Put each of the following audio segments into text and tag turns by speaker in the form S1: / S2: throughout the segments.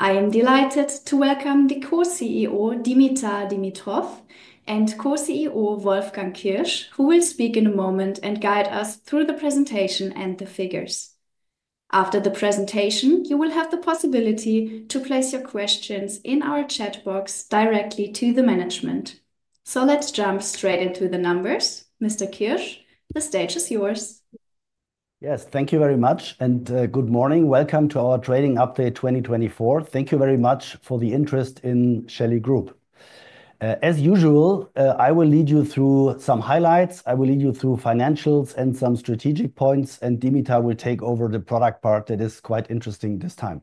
S1: I am delighted to welcome the Co-CEO Dimitar Dimitrov and Co-CEO Wolfgang Kirsch, who will speak in a moment and guide us through the presentation and the figures. After the presentation, you will have the possibility to place your questions in our chat box directly to the management. So let's jump straight into the numbers. Mr. Kirsch, the stage is yours.
S2: Yes, thank you very much and good morning. Welcome to our Trading Update 2024. Thank you very much for the interest in Shelly Group. As usual, I will lead you through some highlights. I will lead you through financials and some strategic points, and Dimitar will take over the product part that is quite interesting this time.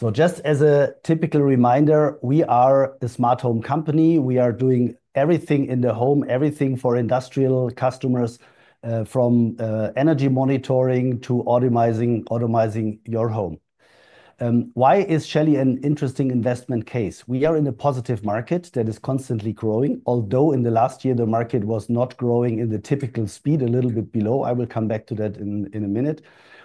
S2: So just as a typical reminder, we are a smart home company. We are doing everything in the home, everything for industrial customers, from energy monitoring to optimizing your home. Why is Shelly an interesting investment case? We are in a positive market that is constantly growing, although in the last year the market was not growing in the typical speed, a little bit below. I will come back to that in a minute.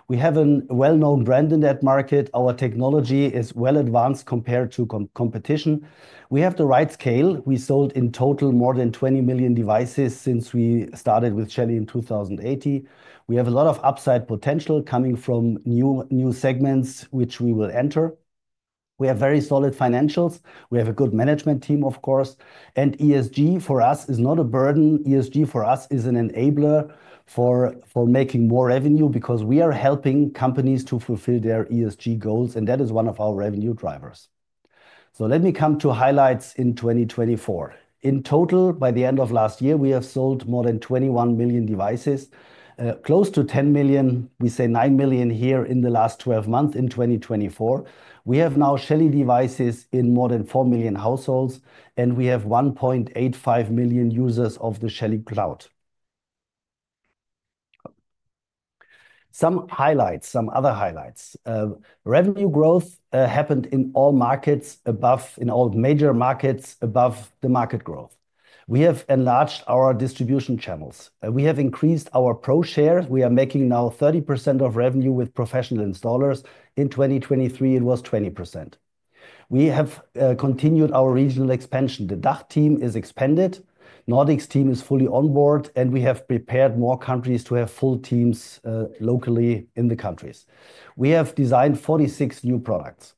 S2: We have a well-known brand in that market. Our technology is well-advanced compared to competition. We have the right scale. We sold in total more than 20 million devices since we started with Shelly in 2018. We have a lot of upside potential coming from new segments, which we will enter. We have very solid financials. We have a good management team, of course, and ESG for us is not a burden. ESG for us is an enabler for making more revenue because we are helping companies to fulfill their ESG goals, and that is one of our revenue drivers, so let me come to highlights in 2024. In total, by the end of last year, we have sold more than 21 million devices, close to 10 million. We sold 9 million here in the last 12 months in 2024. We have now Shelly devices in more than 4 million households, and we have 1.85 million users of the Shelly Cloud. Some highlights, some other highlights. Revenue growth happened in all markets above, in all major markets above the market growth. We have enlarged our distribution channels. We have increased our pro share. We are making now 30% of revenue with professional installers. In 2023, it was 20%. We have continued our regional expansion. The DACH team is expanded. Nordics team is fully on board, and we have prepared more countries to have full teams locally in the countries. We have designed 46 new products.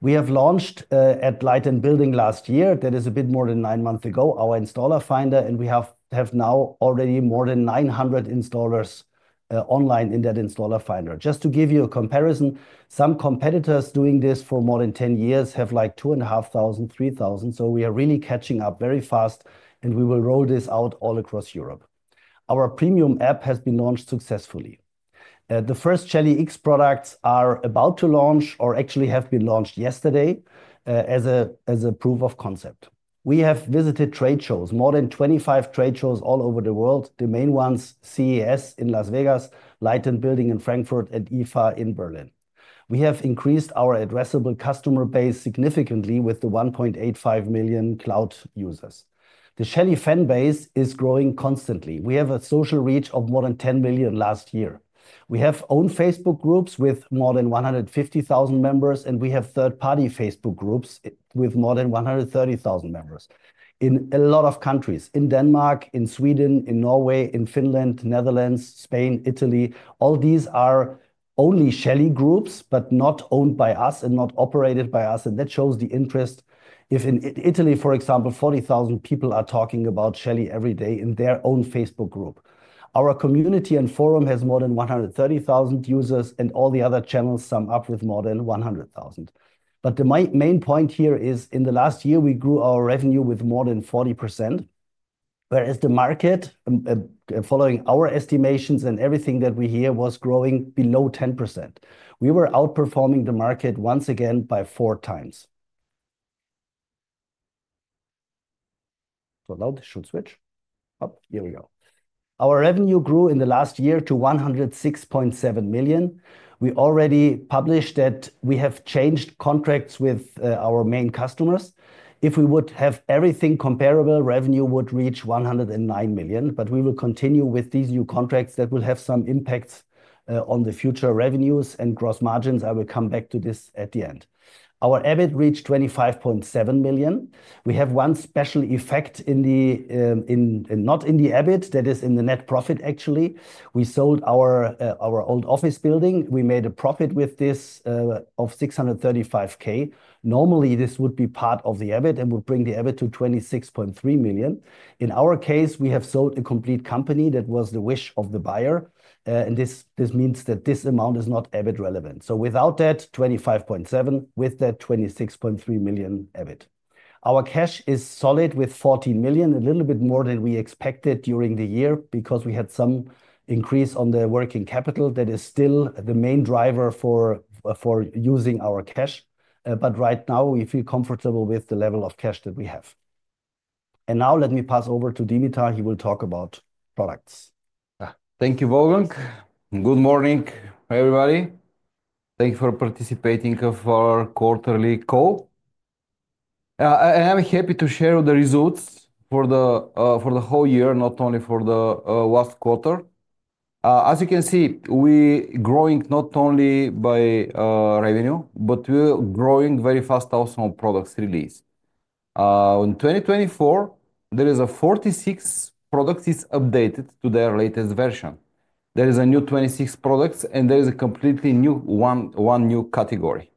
S2: We have launched at Light + Building last year our Installer Finder, that is a bit more than nine months ago, and we have now already more than 900 installers online in that Installer Finder. Just to give you a comparison, some competitors doing this for more than 10 years have like 2,500, 3,000. We are really catching up very fast, and we will roll this out all across Europe. Our premium app has been launched successfully. The first Shelly X products are about to launch or actually have been launched yesterday as a proof of concept. We have visited trade shows, more than 25 trade shows all over the world. The main ones, CES in Las Vegas, Light + Building in Frankfurt, and IFA in Berlin. We have increased our addressable customer base significantly with the 1.85 million cloud users. The Shelly fan base is growing constantly. We have a social reach of more than 10 million last year. We have own Facebook groups with more than 150,000 members, and we have third-party Facebook groups with more than 130,000 members in a lot of countries: in Denmark, in Sweden, in Norway, in Finland, Netherlands, Spain, Italy. All these are only Shelly groups, but not owned by us and not operated by us, and that shows the interest. If in Italy, for example, 40,000 people are talking about Shelly every day in their own Facebook group. Our community and forum has more than 130,000 users, and all the other channels sum up with more than 100,000, but the main point here is in the last year we grew our revenue with more than 40%, whereas the market, following our estimations and everything that we hear, was growing below 10%. We were outperforming the market once again by 4x, so now the short switch. Here we go. Our revenue grew in the last year to 106.7 million. We already published that we have changed contracts with our main customers. If we would have everything comparable, revenue would reach 109 million, but we will continue with these new contracts that will have some impacts on the future revenues and gross margins. I will come back to this at the end. Our EBIT reached 25.7 million. We have one special effect, not in the EBIT, that is in the net profit, actually. We sold our old office building. We made a profit with this of 635K. Normally, this would be part of the EBIT and would bring the EBIT to 26.3 million. In our case, we have sold a complete company that was the wish of the buyer. And this means that this amount is not EBIT relevant, so without that, 25.7 million, with that 26.3 million EBIT. Our cash is solid with 14 million, a little bit more than we expected during the year because we had some increase on the working capital that is still the main driver for using our cash. But right now, we feel comfortable with the level of cash that we have. And now let me pass over to Dimitar. He will talk about products.
S3: Thank you, Wolfgang. Good morning, everybody. Thank you for participating in our quarterly call, and I'm happy to share the results for the whole year, not only for the last quarter. As you can see, we are growing not only by revenue, but we are growing very fast also on products release. In 2024, there is a 46 products updated to their latest version. There is a new 26 products, and there is a completely new one new category,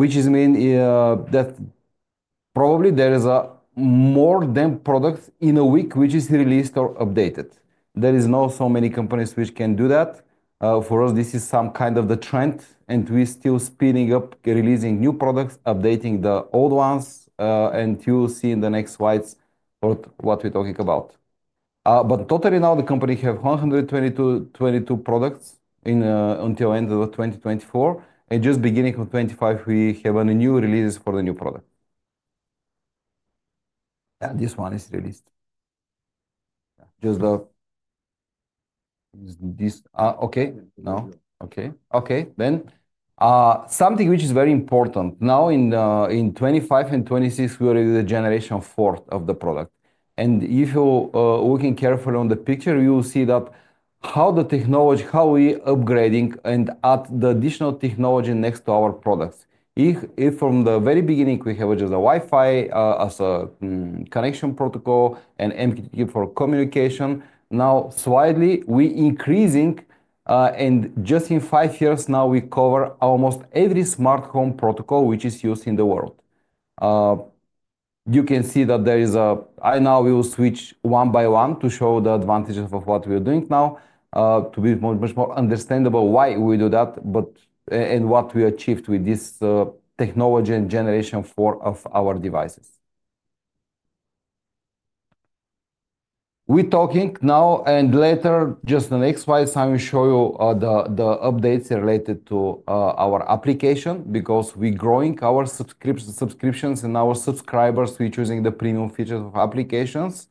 S3: which means that probably there is more than products in a week which is released or updated. There are not so many companies which can do that. For us, this is some kind of the trend, and we are still speeding up releasing new products, updating the old ones, and you will see in the next slides what we're talking about. But totally now the company has 122 products until the end of 2024, and just beginning of 2025, we have a new release for the new product. Yeah, this one is released. Then something which is very important. Now in 2025 and 2026, we are in the fourth generation of the product. And if you are looking carefully on the picture, you will see that how the technology, how we are upgrading and adding the additional technology next to our products. From the very beginning, we have just a Wi-Fi as a connection protocol and MQTT for communication. Now slightly we are increasing, and just in five years now, we cover almost every smart home protocol which is used in the world. You can see that there is a. I now will switch one by one to show the advantages of what we are doing now to be much more understandable why we do that and what we achieved with this technology and Generation 4 of our devices. We are talking now and later, just the next slide, I will show you the updates related to our application because we are growing our subscriptions and our subscribers. We are choosing the premium features of applications.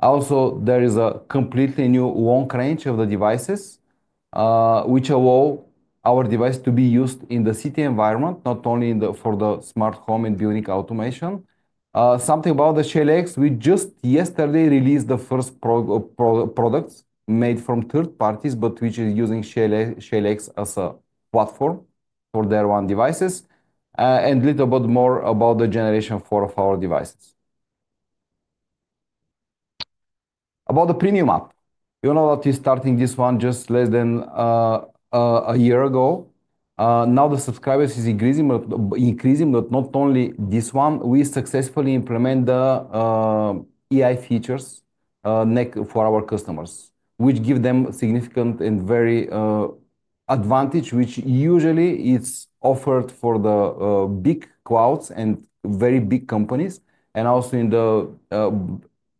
S3: Also, there is a completely new long range of the devices, which allow our devices to be used in the city environment, not only for the smart home and building automation. Something about the Shelly X, we just yesterday released the first products made by third parties, but which is using Shelly X as a platform for their own devices. A little bit more about the Generation 4 of our devices. About the premium app, you know that we are starting this one just less than a year ago. Now the subscribers are increasing, but not only this one. We successfully implemented the AI features for our customers, which give them significant and very advantage, which usually is offered for the big clouds and very big companies, and also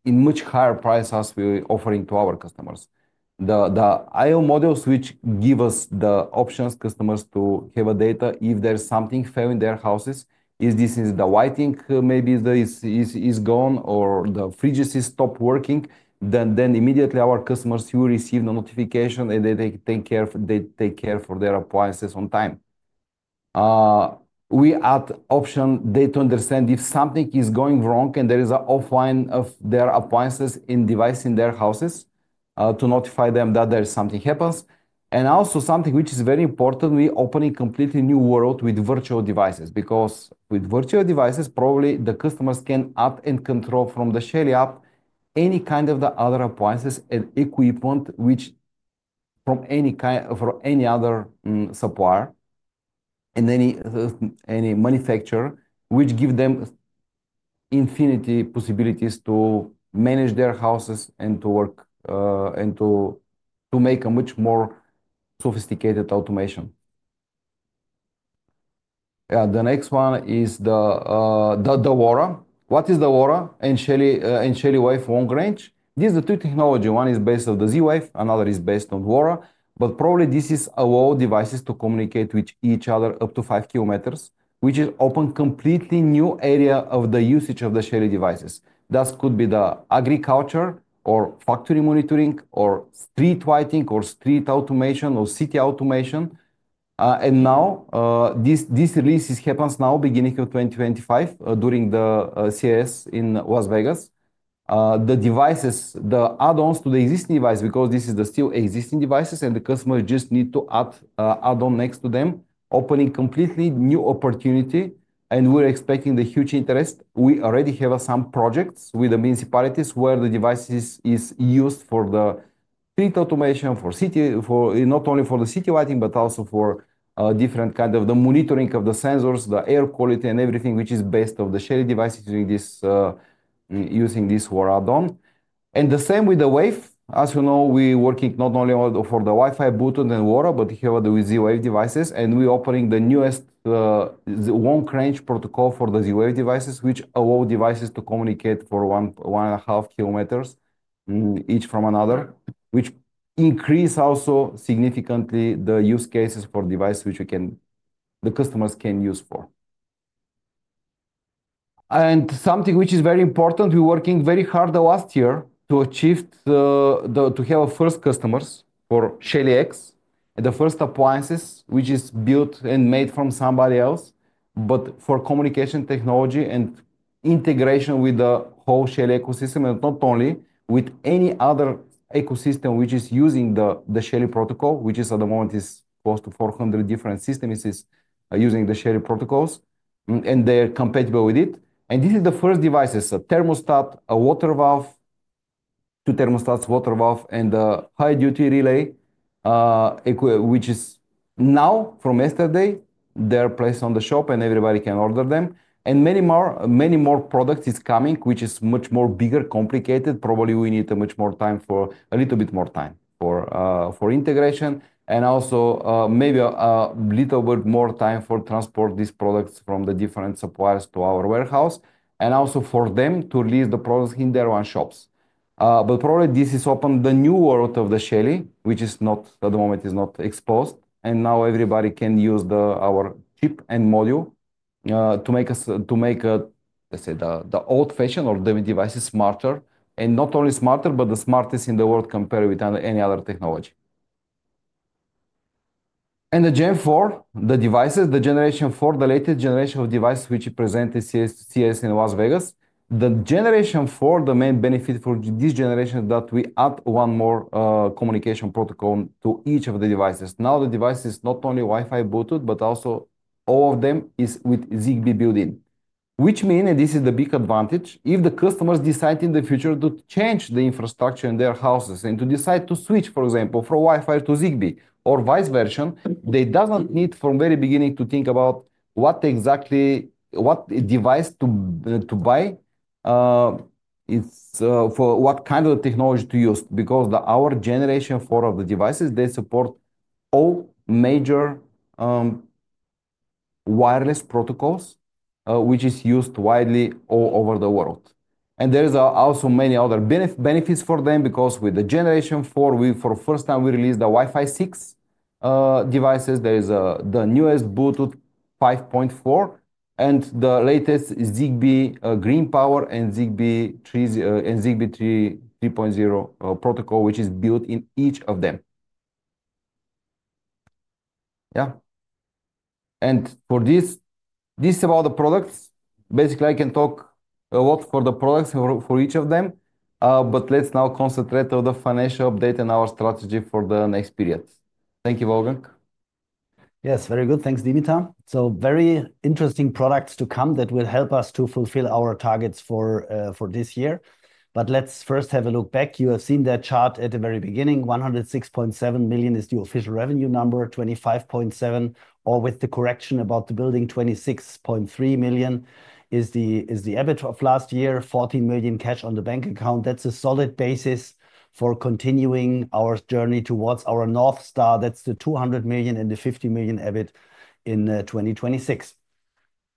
S3: in much higher prices we are offering to our customers. The I/O modules, which give us the options customers to have data if there's something failing in their houses, if this is the lighting maybe is gone or the fridge has stopped working, then immediately our customers will receive the notification and they take care of their appliances on time. We add optional data to understand if something is going wrong and there is an offline of their appliances and devices in their houses to notify them that something happens. Also something which is very important, we are opening a completely new world with virtual devices because with virtual devices, probably the customers can add and control from the Shelly App any kind of the other appliances and equipment from any other supplier and any manufacturer, which gives them infinite possibilities to manage their houses and to work and to make a much more sophisticated automation. The next one is the LoRaWAN. What is LoRaWAN and Shelly Wave Long Range? This is the two technologies. One is based on the Z-Wave, another is based on LoRaWAN, but probably this is allowing devices to communicate with each other up to five kilometers, which opens a completely new area of the usage of the Shelly devices. This could be the agriculture or factory monitoring or street lighting or street automation or city automation. And now this release happens now beginning of 2025 during the CES in Las Vegas. The devices, the add-ons to the existing devices, because this is the still existing devices and the customers just need to add on next to them, opening a completely new opportunity. And we're expecting the huge interest. We already have some projects with the municipalities where the device is used for the street automation for city, not only for the city lighting, but also for different kinds of the monitoring of the sensors, the air quality and everything, which is based on the Shelly devices using this LoRaWAN add-on. The same with the Wave. As you know, we are working not only for the Wi-Fi, but LoRaWAN, but we have the Z-Wave devices, and we are opening the newest long range protocol for the Z-Wave devices, which allows devices to communicate for 1.5 km each from the other, which increases also significantly the use cases for devices which the customers can use for. Something which is very important, we're working very hard last year to achieve to have first customers for Shelly X and the first appliances, which is built and made from somebody else, but for communication technology and integration with the whole Shelly ecosystem and not only with any other ecosystem which is using the Shelly protocol, which at the moment is close to 400 different systems using the Shelly protocols and they are compatible with it. This is the first devices, a thermostat, a water valve, two thermostats, water valve, and a high duty relay, which is now from yesterday, they are placed on the shop and everybody can order them. Many more products are coming, which is much more bigger, complicated. Probably we need much more time for a little bit more time for integration and also maybe a little bit more time for transporting these products from the different suppliers to our warehouse and also for them to release the products in their own shops, but probably this has opened the new world of the Shelly, which is not at the moment exposed. And now everybody can use our chip and module to make a, let's say, the old-fashioned or the devices smarter and not only smarter, but the smartest in the world compared with any other technology, and the Gen 4, the devices, the Generation 4, the latest generation of devices which we presented at CES in Las Vegas. The Generation 4, the main benefit for this generation is that we add one more communication protocol to each of the devices. Now the device is not only Wi-Fi booted, but also all of them are with Zigbee built-in, which means, and this is the big advantage, if the customers decide in the future to change the infrastructure in their houses and to decide to switch, for example, from Wi-Fi to Zigbee or vice versa, they don't need from the very beginning to think about what exactly device to buy for what kind of technology to use because our Generation 4 of the devices, they support all major wireless protocols, which are used widely all over the world, and there are also many other benefits for them because with the Generation 4, for the first time, we released the Wi-Fi 6 devices. There is the newest Bluetooth 5.4 and the latest Zigbee Green Power and Zigbee 3.0 protocol, which is built in each of them. Yeah. And for this, this is about the products. Basically, I can talk a lot for the products for each of them, but let's now concentrate on the financial update and our strategy for the next period. Thank you, Wolfgang.
S2: Yes, very good. Thanks, Dimitar. So very interesting products to come that will help us to fulfill our targets for this year. But let's first have a look back. You have seen that chart at the very beginning. 106.7 million is the official revenue number. 25.7 million, or with the correction about the building, 26.3 million is the EBIT of last year. 14 million cash on the bank account. That's a solid basis for continuing our journey towards our North Star. That's the 200 million and the 50 million EBIT in 2026.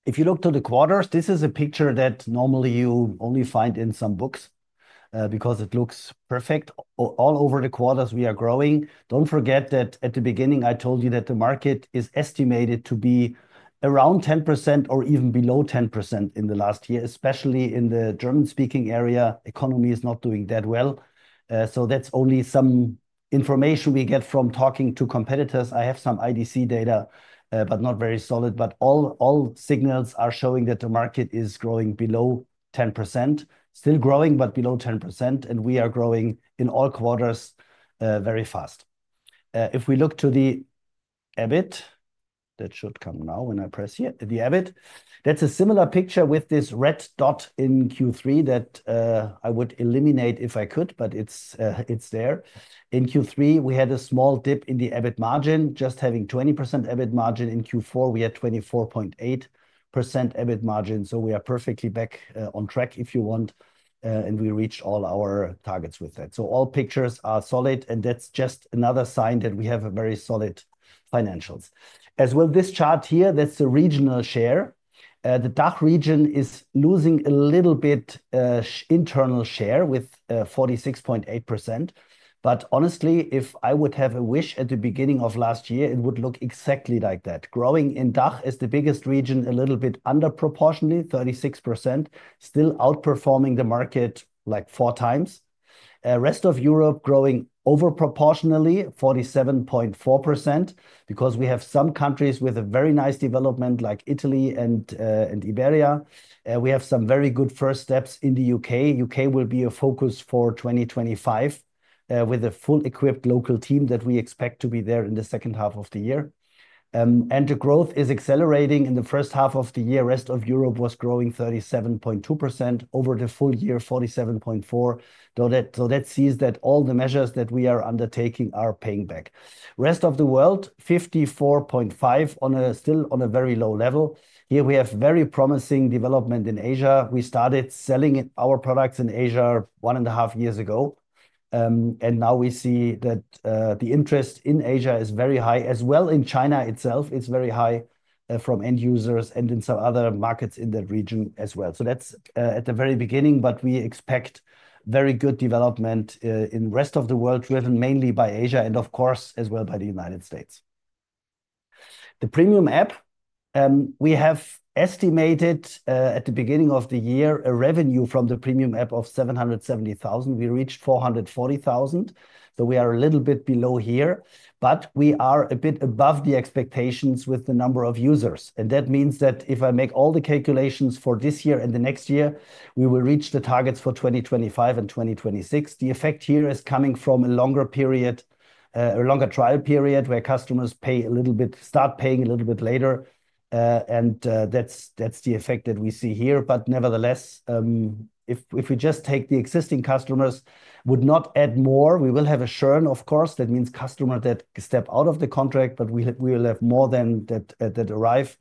S2: If you look to the quarters, this is a picture that normally you only find in some books because it looks perfect. All over the quarters, we are growing. Don't forget that at the beginning, I told you that the market is estimated to be around 10% or even below 10% in the last year, especially in the German-speaking area. The economy is not doing that well. So that's only some information we get from talking to competitors. I have some IDC data, but not very solid. But all signals are showing that the market is growing below 10%. Still growing, but below 10%. And we are growing in all quarters very fast. If we look to the EBIT, that should come now when I press here, the EBIT. That's a similar picture with this red dot in Q3 that I would eliminate if I could, but it's there. In Q3, we had a small dip in the EBIT margin. Just having 20% EBIT margin. In Q4, we had 24.8% EBIT margin. So we are perfectly back on track, if you want, and we reached all our targets with that. So all pictures are solid, and that's just another sign that we have very solid financials. As well as this chart here, that's the regional share. The DACH region is losing a little bit internal share with 46.8%. But honestly, if I would have a wish at the beginning of last year, it would look exactly like that. Growing in DACH is the biggest region, a little bit underproportionately, 36%, still outperforming the market like 4x. Rest of Europe growing overproportionally, 47.4%, because we have some countries with a very nice development like Italy and Iberia. We have some very good first steps in the U.K. The U.K. will be a focus for 2025 with a full-equipped local team that we expect to be there in the second half of the year. And the growth is accelerating in the first half of the year. The Rest of Europe was growing 37.2%. Over the full year, 47.4%. So that shows that all the measures that we are undertaking are paying back. The rest of the world, 54.5%, still on a very low level. Here we have very promising development in Asia. We started selling our products in Asia one and a half years ago. And now we see that the interest in Asia is very high, as well as in China itself. It's very high from end users and in some other markets in that region as well. That's at the very beginning, but we expect very good development in the rest of the world, driven mainly by Asia and, of course, as well by the United States. The premium app, we have estimated at the beginning of the year a revenue from the premium app of 770,000. We reached 440,000. We are a little bit below here, but we are a bit above the expectations with the number of users. That means that if I make all the calculations for this year and the next year, we will reach the targets for 2025 and 2026. The effect here is coming from a longer period, a longer trial period where customers pay a little bit, start paying a little bit later. That's the effect that we see here. Nevertheless, if we just take the existing customers, we would not add more. We will have a churn, of course. That means customers that step out of the contract, but we will have more than that arrive.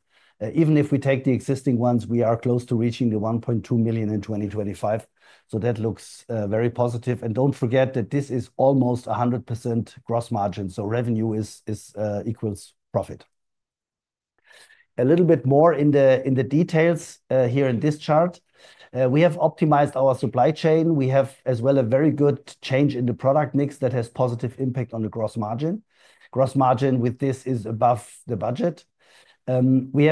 S2: Even if we take the existing ones, we are close to reaching the 1.2 million in 2025. So that looks very positive. And don't forget that this is almost 100% gross margin. So revenue equals profit. A little bit more in the details here in this chart. We have optimized our supply chain. We have as well a very good change in the product mix that has a positive impact on the gross margin. Gross margin with this is above the budget. We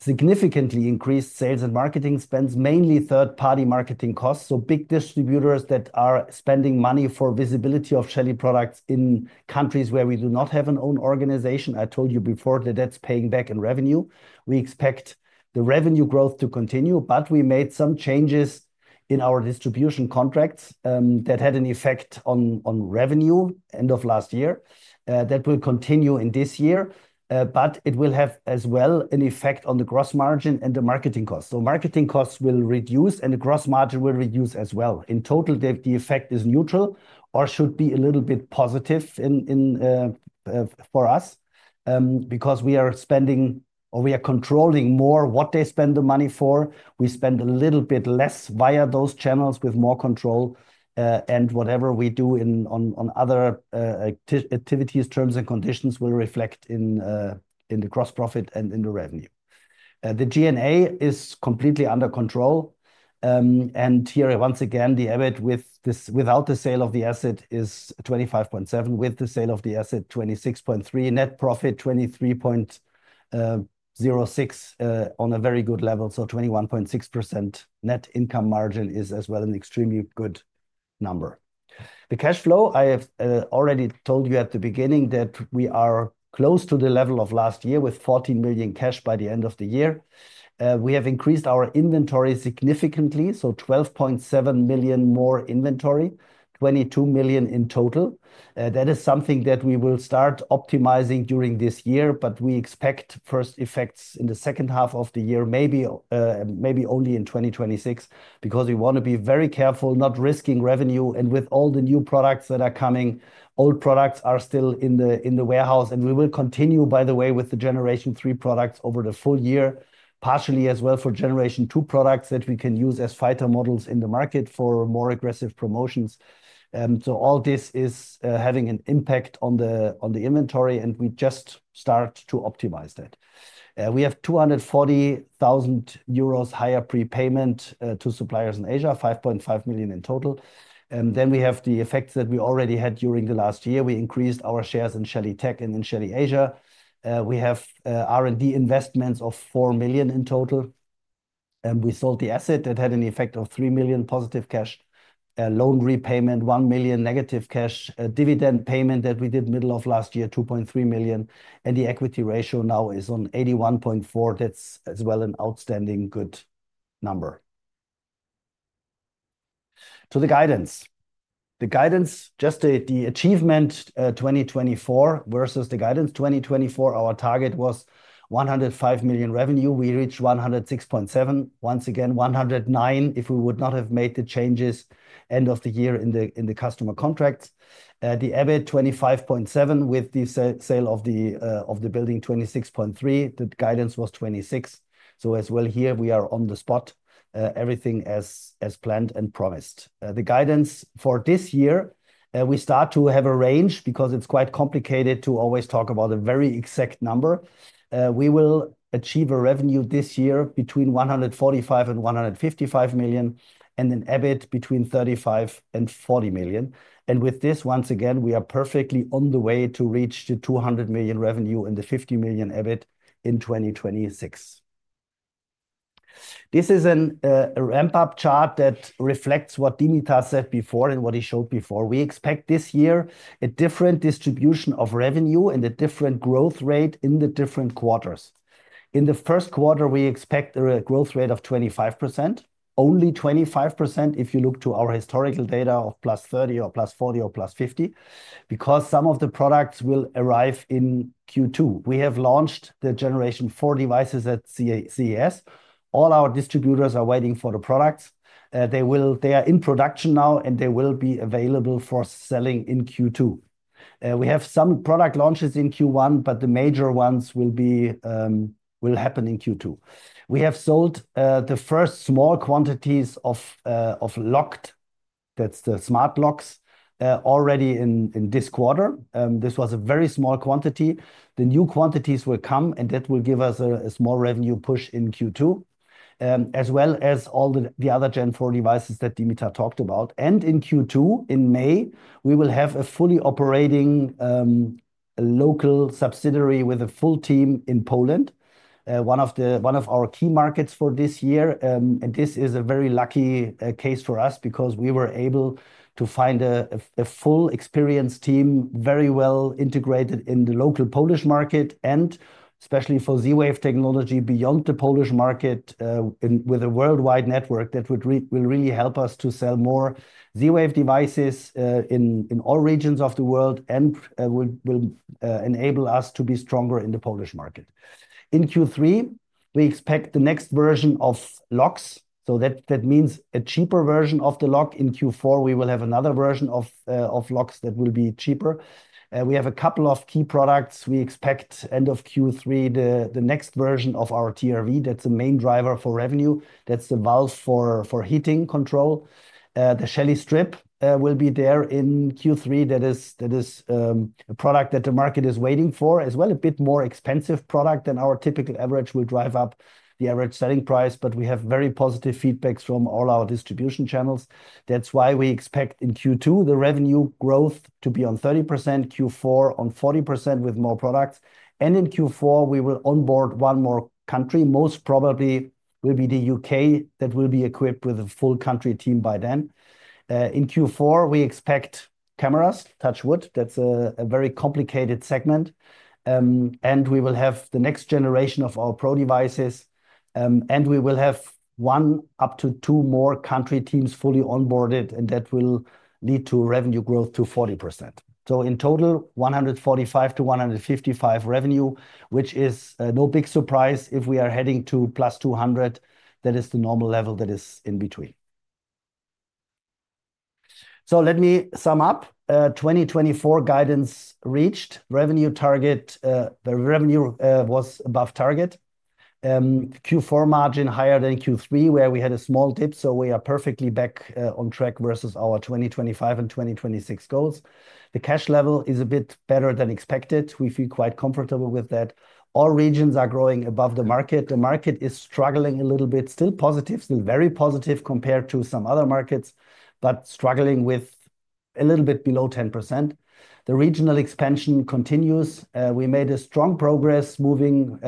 S2: have significantly increased sales and marketing spends, mainly third-party marketing costs. So big distributors that are spending money for visibility of Shelly products in countries where we do not have an own organization. I told you before that that's paying back in revenue. We expect the revenue growth to continue, but we made some changes in our distribution contracts that had an effect on revenue end of last year that will continue in this year. But it will have as well an effect on the gross margin and the marketing costs. So marketing costs will reduce and the gross margin will reduce as well. In total, the effect is neutral or should be a little bit positive for us because we are spending or we are controlling more what they spend the money for. We spend a little bit less via those channels with more control. And whatever we do on other activities, terms and conditions will reflect in the gross profit and in the revenue. The G&A is completely under control. And here, once again, the EBIT without the sale of the asset is 25.7% with the sale of the asset, 26.3%. Net profit, 23.06% on a very good level. So 21.6% net income margin is as well an extremely good number. The cash flow, I have already told you at the beginning that we are close to the level of last year with 14 million cash by the end of the year. We have increased our inventory significantly. So 12.7 million more inventory, 22 million in total. That is something that we will start optimizing during this year, but we expect first effects in the second half of the year, maybe only in 2026, because we want to be very careful, not risking revenue. And with all the new products that are coming, old products are still in the warehouse. And we will continue, by the way, with the Generation 3 products over the full year, partially as well for Generation 2 products that we can use as fighter models in the market for more aggressive promotions. So all this is having an impact on the inventory, and we just start to optimize that. We have 240,000 euros higher prepayment to suppliers in Asia, 5.5 million in total. And then we have the effects that we already had during the last year. We increased our shares in Shelly Tech and in Shelly Asia. We have R&D investments of 4 million in total. And we sold the asset that had an effect of 3 million positive cash loan repayment, 1 million negative cash dividend payment that we did middle of last year, 2.3 million. And the equity ratio now is on 81.4%. That's as well an outstanding good number. To the guidance. The guidance, just the achievement 2024 versus the guidance 2024, our target was 105 million revenue. We reached 106.7 million. Once again, 109 million if we would not have made the changes end of the year in the customer contracts. The EBIT 25.7 million with the sale of the building, 26.3 million. The guidance was 26 million. So as well here, we are on the spot. Everything as planned and promised. The guidance for this year, we start to have a range because it's quite complicated to always talk about a very exact number. We will achieve a revenue this year between 145 million and 155 million and an EBIT between 35 million and 40 million. And with this, once again, we are perfectly on the way to reach the 200 million revenue and the 50 million EBIT in 2026. This is a ramp-up chart that reflects what Dimitar said before and what he showed before. We expect this year a different distribution of revenue and a different growth rate in the different quarters. In the first quarter, we expect a growth rate of 25%, only 25% if you look to our historical data of +30% or +40% or +50%, because some of the products will arrive in Q2. We have launched the Generation 4 devices at CES. All our distributors are waiting for the products. They are in production now, and they will be available for selling in Q2. We have some product launches in Q1, but the major ones will happen in Q2. We have sold the first small quantities of LOQED. That's the smart locks already in this quarter. This was a very small quantity. The new quantities will come, and that will give us a small revenue push in Q2, as well as all the other Gen 4 devices that Dimitar talked about. And in Q2, in May, we will have a fully operating local subsidiary with a full team in Poland, one of our key markets for this year. And this is a very lucky case for us because we were able to find a fully experienced team very well integrated in the local Polish market, and especially for Z-Wave technology beyond the Polish market with a worldwide network that will really help us to sell more Z-Wave devices in all regions of the world and will enable us to be stronger in the Polish market. In Q3, we expect the next version of locks. So that means a cheaper version of the lock. In Q4, we will have another version of locks that will be cheaper. We have a couple of key products. We expect, end of Q3, the next version of our TRV. That's the main driver for revenue. That's the valve for heating control. The Shelly Strip will be there in Q3. That is a product that the market is waiting for, as well a bit more expensive product than our typical average will drive up the average selling price, but we have very positive feedbacks from all our distribution channels. That's why we expect in Q2 the revenue growth to be on 30%, Q4 on 40% with more products, and in Q4, we will onboard one more country, most probably, will be the U.K. that will be equipped with a full country team by then. In Q4, we expect cameras, touch wood. That's a very complicated segment. And we will have the next generation of our Pro devices. And we will have one up to two more country teams fully onboarded, and that will lead to revenue growth to 40%, so in total, 145-155 revenue, which is no big surprise if we are heading to +200. That is the normal level that is in between, so let me sum up. 2024 guidance reached. Revenue target, the revenue was above target. Q4 margin higher than Q3, where we had a small dip, so we are perfectly back on track versus our 2025 and 2026 goals. The cash level is a bit better than expected. We feel quite comfortable with that. All regions are growing above the market. The market is struggling a little bit, still positive, still very positive compared to some other markets, but struggling with a little bit below 10%. The regional expansion continues. We made a strong progress moving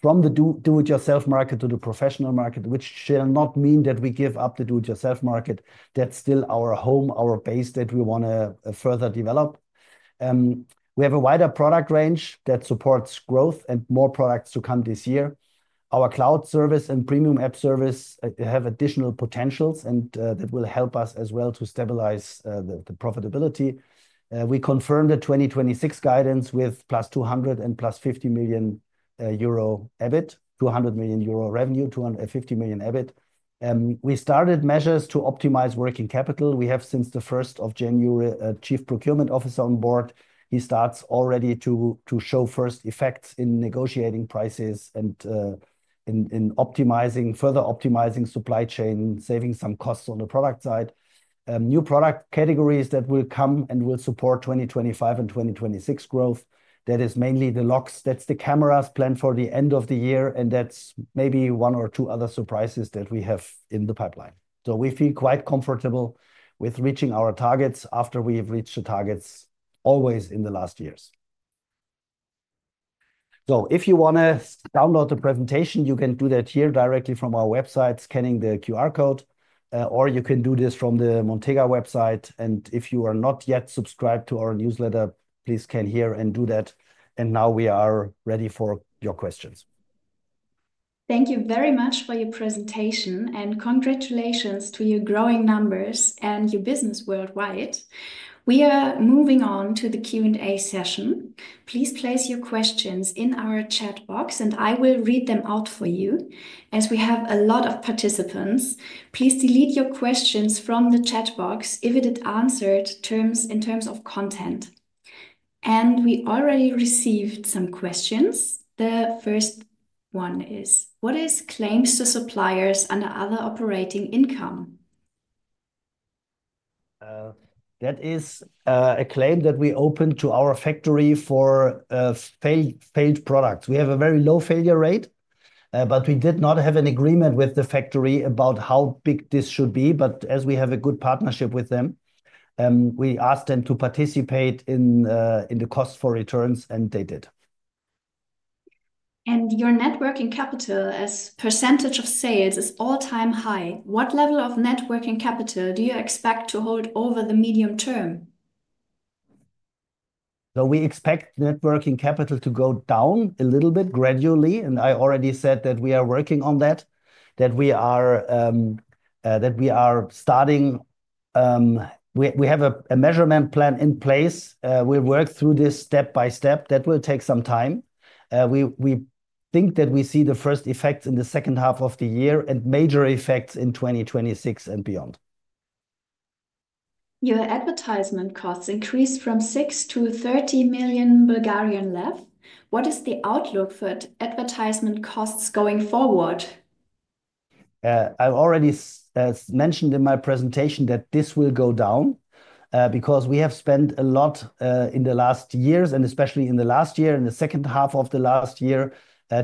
S2: from the do-it-yourself market to the professional market, which shall not mean that we give up the do-it-yourself market. That's still our home, our base that we want to further develop. We have a wider product range that supports growth and more products to come this year. Our cloud service and premium app service have additional potentials and that will help us as well to stabilize the profitability. We confirmed the 2026 guidance with +200 million and +50 million euro EBIT, 200 million euro revenue, 250 million EBIT. We started measures to optimize working capital. We have since the 1st of January, a chief procurement officer on board. He starts already to show first effects in negotiating prices and in optimizing, further optimizing supply chain, saving some costs on the product side. New product categories that will come and will support 2025 and 2026 growth. That is mainly the locks. That's the cameras planned for the end of the year. And that's maybe one or two other surprises that we have in the pipeline. So we feel quite comfortable with reaching our targets after we have reached the targets always in the last years. So if you want to download the presentation, you can do that here directly from our website, scanning the QR code, or you can do this from the Montega website. And if you are not yet subscribed to our newsletter, please scan here and do that. And now we are ready for your questions.
S1: Thank you very much for your presentation and congratulations to your growing numbers and your business worldwide. We are moving on to the Q&A session. Please place your questions in our chat box, and I will read them out for you. As we have a lot of participants, please delete your questions from the chat box if it's answered in terms of content. And we already received some questions. The first one is, what is claims to suppliers under other operating income?
S2: That is a claim that we opened to our factory for failed products. We have a very low failure rate, but we did not have an agreement with the factory about how big this should be. But as we have a good partnership with them, we asked them to participate in the cost for returns, and they did.
S1: And your working capital as percentage of sales is all-time high. What level of working capital do you expect to hold over the medium term?
S2: We expect working capital to go down a little bit gradually. And I already said that we are working on that, that we are starting. We have a management plan in place. We'll work through this step by step. That will take some time. We think that we see the first effects in the second half of the year and major effects in 2026 and beyond. step.
S1: Your advertising costs increased from BGN 6 million-BGN 30 million. What is the outlook for advertising costs going forward?
S2: I already mentioned in my presentation that this will go down because we have spent a lot in the last years and especially in the last year and the second half of the last year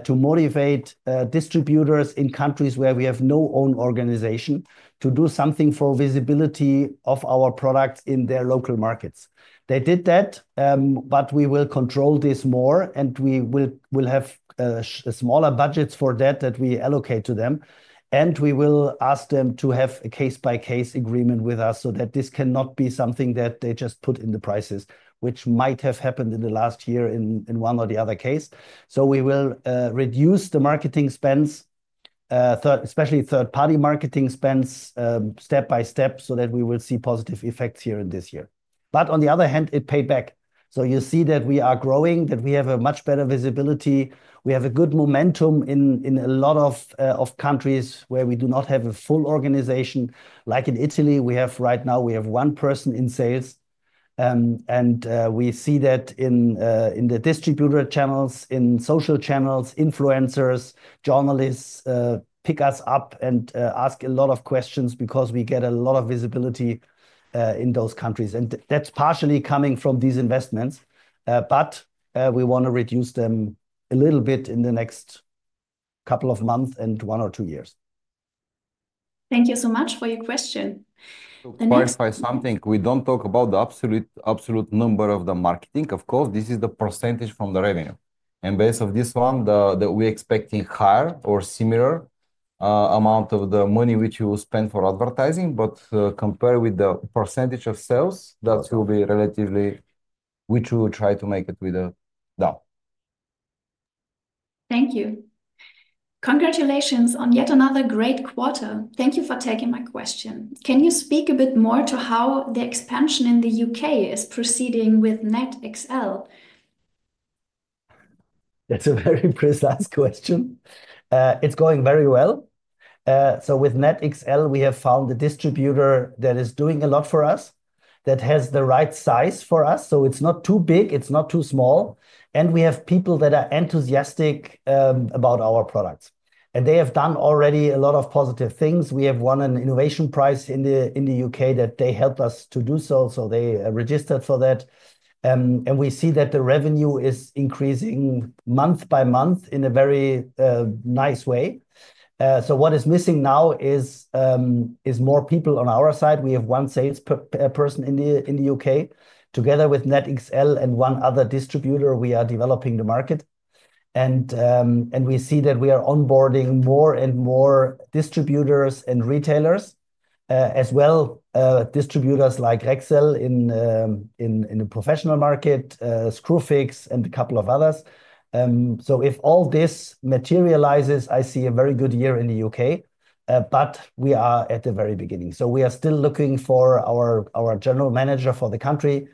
S2: to motivate distributors in countries where we have no own organization to do something for visibility of our products in their local markets. They did that, but we will control this more and we will have smaller budgets for that we allocate to them. And we will ask them to have a case-by-case agreement with us so that this cannot be something that they just put in the prices, which might have happened in the last year in one or the other case. So we will reduce the marketing spends, especially third-party marketing spends, step by step so that we will see positive effects here in this year. But on the other hand, it paid back. So you see that we are growing, that we have a much better visibility. We have a good momentum in a lot of countries where we do not have a full organization. Like in Italy, we have right now one person in sales. We see that in the distributor channels, in social channels, influencers, journalists pick us up and ask a lot of questions because we get a lot of visibility in those countries. That's partially coming from these investments. We want to reduce them a little bit in the next couple of months and one or two years.
S1: Thank you so much for your question.
S3: To clarify something, we don't talk about the absolute number of the marketing. Of course, this is the percentage from the revenue. Based on this one, we are expecting higher or similar amount of the money which you will spend for advertising. Compared with the percentage of sales, that will be relatively, which we will try to make it with a down.
S1: Thank you. Congratulations on yet another great quarter. Thank you for taking my question. Can you speak a bit more to how the expansion in the U.K. is proceeding with NetXL?
S2: That's a very precise question. It's going very well. So with NetXL, we have found a distributor that is doing a lot for us, that has the right size for us. So it's not too big, it's not too small. And we have people that are enthusiastic about our products. And they have done already a lot of positive things. We have won an innovation prize in the U.K. that they helped us to do so. So they registered for that. And we see that the revenue is increasing month by month in a very nice way. So what is missing now is more people on our side. We have one salesperson in the U.K. Together with NetXL and one other distributor, we are developing the market. We see that we are onboarding more and more distributors and retailers, as well as distributors like Rexel in the professional market, Screwfix, and a couple of others. So if all this materializes, I see a very good year in the U.K. But we are at the very beginning. So we are still looking for our general manager for the country.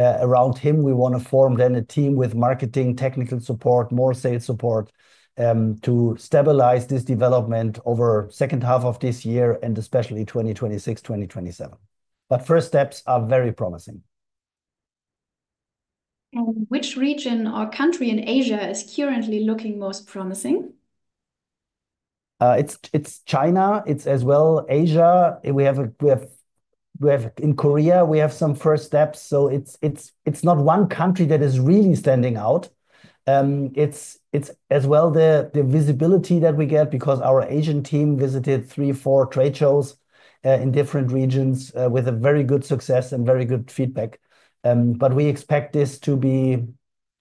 S2: Around him, we want to form then a team with marketing, technical support, more sales support to stabilize this development over the second half of this year and especially 2026, 2027. But first steps are very promising.
S1: And which region or country in Asia is currently looking most promising?
S2: It's China. It's as well Asia. We have in Korea, we have some first steps. So it's not one country that is really standing out. It's as well the visibility that we get because our Asian team visited three, four trade shows in different regions with a very good success and very good feedback. But we expect this to be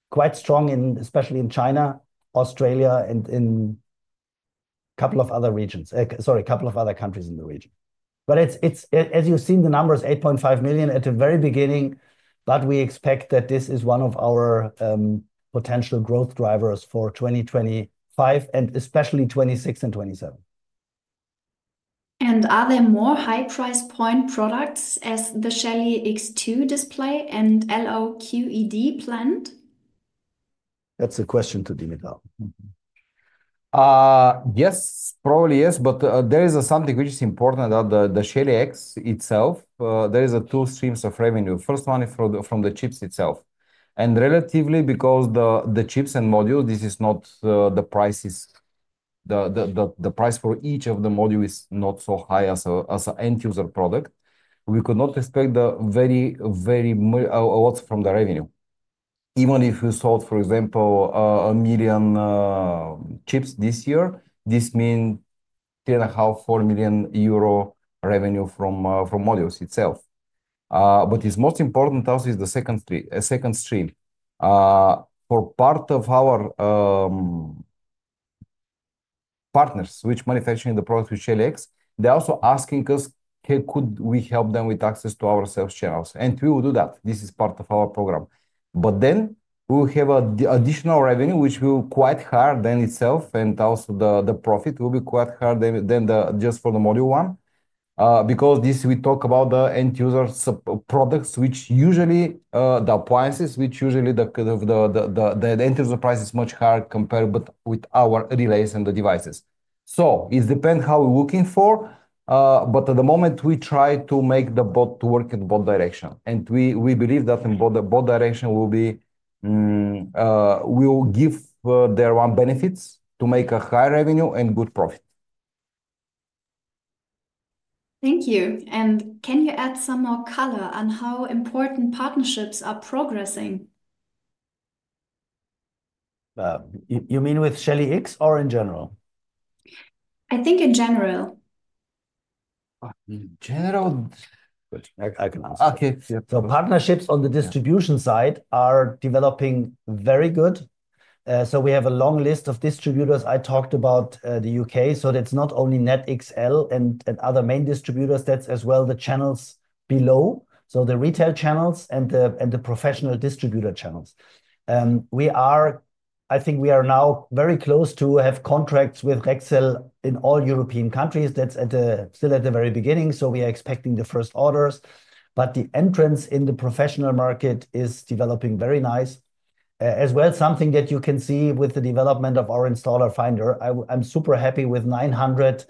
S2: quite strong, especially in China, Australia, and in a couple of other regions, sorry, a couple of other countries in the region. But as you've seen, the number is 8.5 million at the very beginning. But we expect that this is one of our potential growth drivers for 2025 and especially 2026 and 2027.
S1: And are there more high price point products as the Shelly X, Wall Display and LOQED planned?
S2: That's a question to Dimitar.
S3: Yes, probably yes. But there is something which is important that the Shelly X itself, there are two streams of revenue. First one is from the chips itself. And relatively, because the chips and modules, this is not the price is the price for each of the modules is not so high as an end user product. We could not expect the very, very lots from the revenue. Even if you sold, for example, a million chips this year, this means 3.5-4 million euro revenue from modules itself. But it's most important also is the second stream. For part of our partners, which manufacturing the products with Shelly X, they're also asking us, could we help them with access to our sales channels? And we will do that. This is part of our program. But then we will have additional revenue, which will be quite higher than itself. And also the profit will be quite higher than just for the module one. Because this we talk about the end user products, which usually the appliances, which usually the end user price is much higher compared with our relays and the devices. So it depends how we're looking for. But at the moment, we try to make the bot work in both directions. And we believe that in both directions will give their own benefits to make a higher revenue and good profit.
S1: Thank you. And can you add some more color on how important partnerships are progressing?
S2: You mean with Shelly X or in general?
S1: I think in general.
S2: In general. I can answer. Okay. So partnerships on the distribution side are developing very good. So we have a long list of distributors. I talked about the U.K. So it's not only NetXL and other main distributors, that's as well the channels below. The retail channels and the professional distributor channels. We are, I think we are now very close to have contracts with Rexel in all European countries. That's still at the very beginning, so we are expecting the first orders. But the entrance in the professional market is developing very nice. As well, something that you can see with the development of our Installer Finder. I'm super happy with 900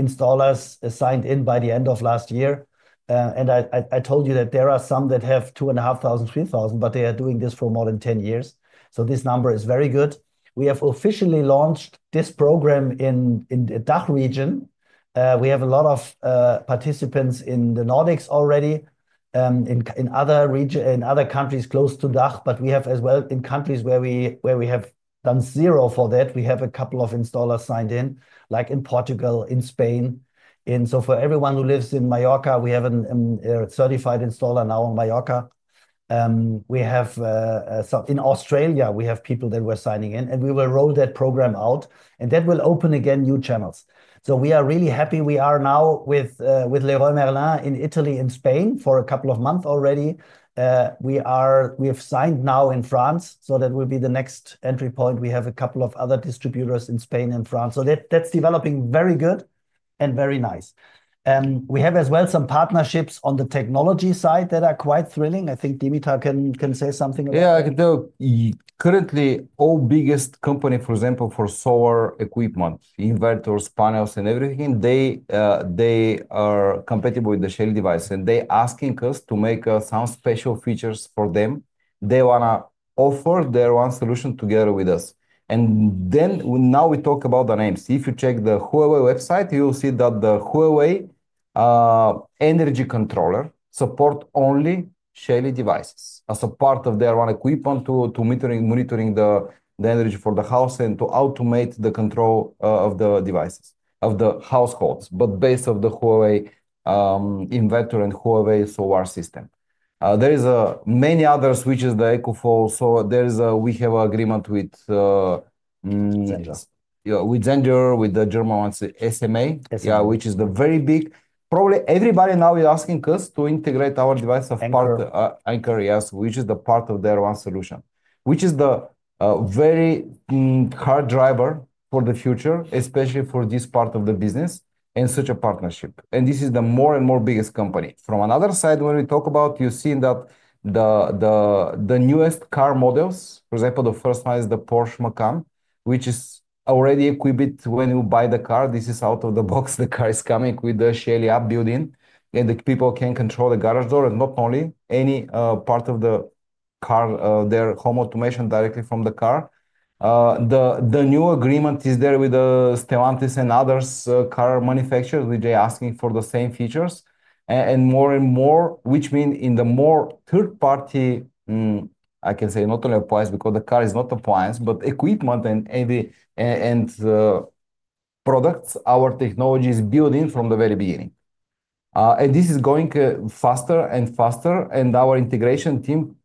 S2: installers signed in by the end of last year. I told you that there are some that have 2,500, 3,000 but they are doing this for more than 10 years. This number is very good. We have officially launched this program in the DACH region. We have a lot of participants in the Nordics already, in other countries close to DACH, but we have as well in countries where we have done zero for that. We have a couple of installers signed in, like in Portugal, in Spain, and so for everyone who lives in Mallorca, we have a certified installer now in Mallorca. We have in Australia, we have people that were signing in, and we will roll that program out, and that will open again new channels, so we are really happy. We are now with Leroy Merlin in Italy, in Spain for a couple of months already. We have signed now in France, so that will be the next entry point. We have a couple of other distributors in Spain and France, so that's developing very good and very nice. We have as well some partnerships on the technology side that are quite thrilling. I think Dimitar can say something about that.
S3: Yeah, I can do. Currently, our biggest company, for example, for solar equipment, inverters, panels, and everything, they are compatible with the Shelly device, and they're asking us to make some special features for them. They want to offer their own solution together with us, and then now we talk about the names. If you check the Huawei website, you'll see that the Huawei energy controller supports only Shelly devices. So part of their own equipment to monitoring the energy for the house and to automate the control of the devices, of the households, but based off the Huawei inverter and Huawei solar system. There are many other switches, the EcoFlow, so we have an agreement with Zendure, with the German one, SMA, which is very big. Probably everybody now is asking us to integrate our device of partner, Anker SOLIX, which is the part of their own solution, which is the very hard driver for the future, especially for this part of the business and such a partnership. And this is the more and more biggest company. From another side, when we talk about, you're seeing that the newest car models, for example, the first one is the Porsche Macan, which is already equipped when you buy the car. This is out of the box. The car is coming with the Shelly App building, and the people can control the garage door and not only any part of the car, their home automation directly from the car. The new agreement is there with Stellantis and other car manufacturers. We're just asking for the same features and more and more, which means in more third-party, I can say not only appliance because the car is not appliance, but equipment and products, our technology is built in from the very beginning. This is going faster and faster. Our integration team,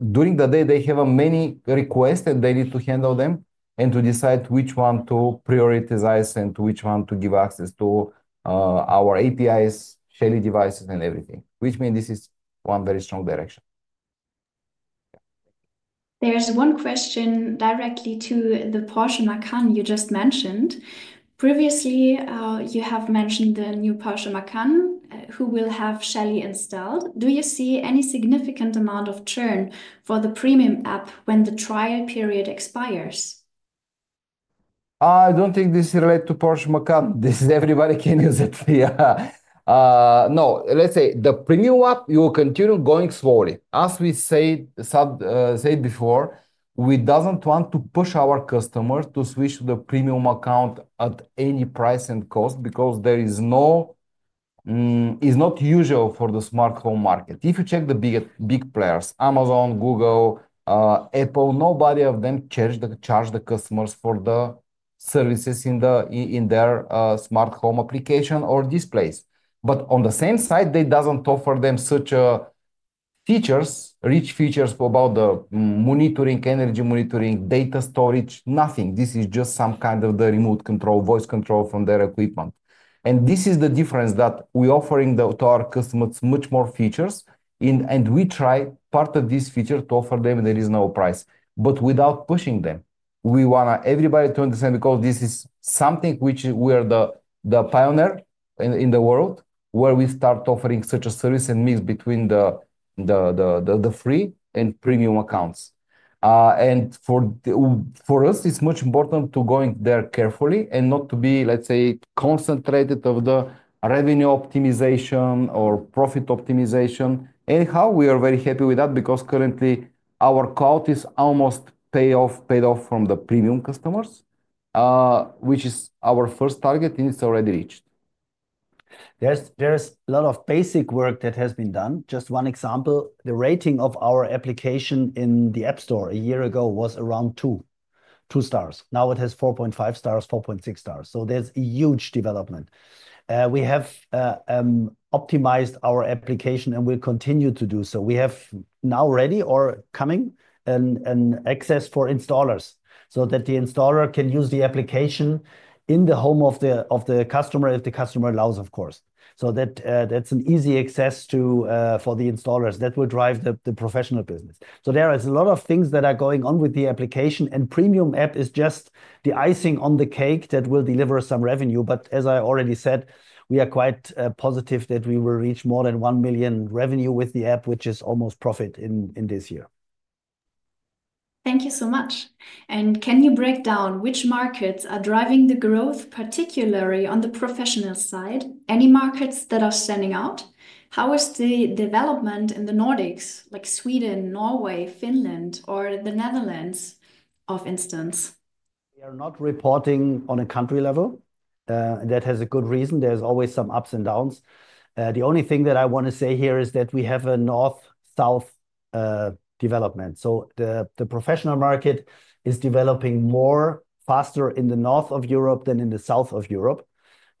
S3: during the day, they have many requests and they need to handle them and to decide which one to prioritize and which one to give access to our APIs, Shelly devices, and everything, which means this is one very strong direction.
S1: There's one question directly to the Porsche Macan you just mentioned. Previously, you have mentioned the new Porsche Macan who will have Shelly installed. Do you see any significant amount of churn for the premium app when the trial period expires?
S3: I don't think this relates to Porsche Macan, this is everybody can use it. Yeah. No, let's say the premium app. You will continue going slowly. As we said before, we don't want to push our customers to switch to the premium account at any price and cost because there is no. It's not usual for the smart home market. If you check the big players, Amazon, Google, Apple, nobody of them charge the customers for the services in their smart home application or displays. But on the same side, they don't offer them such rich features about the monitoring, energy monitoring, data storage, nothing. This is just some kind of the remote control, voice control from their equipment. And this is the difference that we are offering to our customers, much more features. And we try part of this feature to offer them at a reasonable price, but without pushing them. We want everybody to understand because this is something which we are the pioneer in the world where we start offering such a service and mix between the free and premium accounts, and for us, it's much important to go in there carefully and not to be, let's say, concentrated on the revenue optimization or profit optimization. Anyhow, we are very happy with that because currently our cloud is almost paid off from the premium customers, which is our first target and it's already reached.
S2: There's a lot of basic work that has been done. Just one example, the rating of our application in the App Store a year ago was around two stars. Now it has 4.5 stars, 4.6 stars, so there's a huge development. We have optimized our application and we'll continue to do so. We have now ready or coming an access for installers so that the installer can use the application in the home of the customer if the customer allows, of course. So that's an easy access for the installers that will drive the professional business. So there are a lot of things that are going on with the application. And premium app is just the icing on the cake that will deliver some revenue. But as I already said, we are quite positive that we will reach more than one million revenue with the app, which is almost profit in this year.
S1: Thank you so much. And can you break down which markets are driving the growth, particularly on the professional side? Any markets that are standing out? How is the development in the Nordics, like Sweden, Norway, Finland, or the Netherlands, for instance?
S2: We are not reporting on a country level. That has a good reason. There's always some ups and downs. The only thing that I want to say here is that we have a north-south development, so the professional market is developing more faster in the north of Europe than in the south of Europe,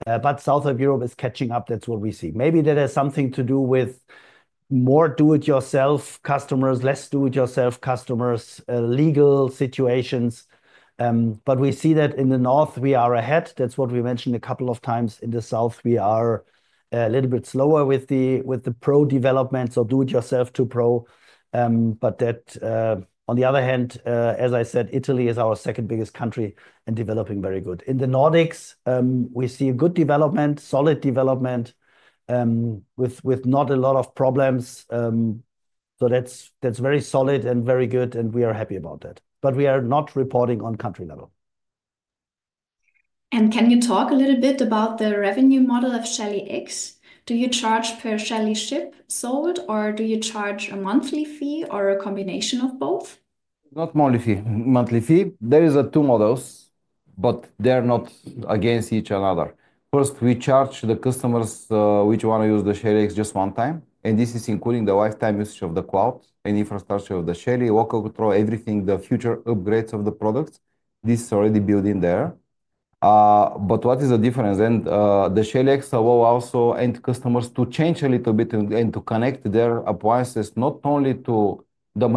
S2: but south of Europe is catching up. That's what we see. Maybe that has something to do with more do-it-yourself customers, less do-it-yourself customers, legal situations. But we see that in the north, we are ahead. That's what we mentioned a couple of times. In the south, we are a little bit slower with the pro development or do-it-yourself to pro. But on the other hand, as I said, Italy is our second biggest country and developing very good. In the Nordics, we see good development, solid development with not a lot of problems. That's very solid and very good, and we are happy about that. We are not reporting on country level.
S1: Can you talk a little bit about the revenue model of Shelly X? Do you charge per Shelly chip sold, or do you charge a monthly fee or a combination of both?
S3: Not a monthly fee. There are two models, but they are not against each other. First, we charge the customers which want to use the Shelly X just one time. This is including the lifetime usage of the cloud and infrastructure of the Shelly, local control, everything, the future upgrades of the products. This is already built in there. What is the difference? And the Shelly X will also enable customers to choose a little bit and to connect their appliances, not only to our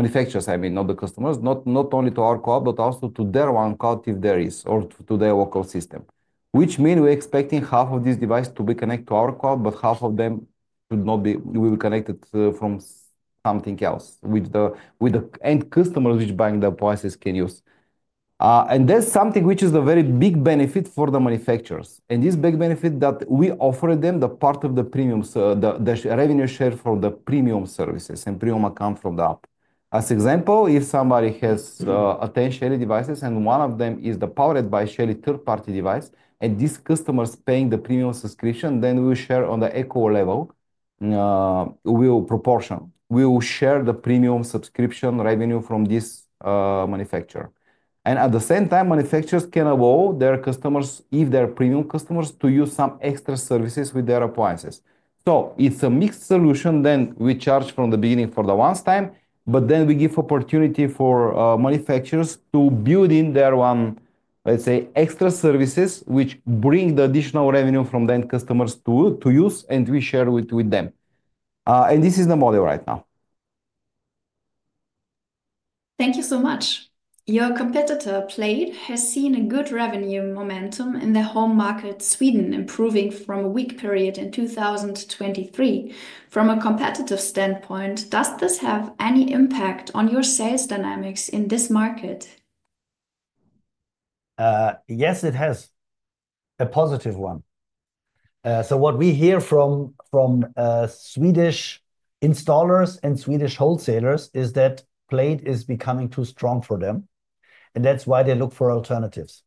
S3: cloud, but also to their own cloud if there is, or to their local system. Which means we're expecting half of these devices to be connected to our cloud, but half of them should be connected to something else that the end customers who buy the appliances can use. And that's something which is a very big benefit for the manufacturers. And this big benefit that we offer them, the part of the premium, the revenue share from the premium services and premium account from the app. As an example, if somebody has 10 Shelly devices and one of them is powered by Shelly third-party device and these customers paying the premium subscription, then we will share on the equal level proportion. We will share the premium subscription revenue from this manufacturer. And at the same time, manufacturers can allow their customers, if they're premium customers, to use some extra services with their appliances. So it's a mixed solution. Then we charge from the beginning for the one time, but then we give opportunity for manufacturers to build in their own, let's say, extra services which bring the additional revenue from their customers to use and we share with them. And this is the model right now.
S1: Thank you so much. Your competitor, Plejd, has seen a good revenue momentum in the home market, Sweden, improving from a weak period in 2023. From a competitive standpoint, does this have any impact on your sales dynamics in this market?
S2: Yes, it has a positive one. So what we hear from Swedish installers and Swedish wholesalers is that Plejd is becoming too strong for them. And that's why they look for alternatives.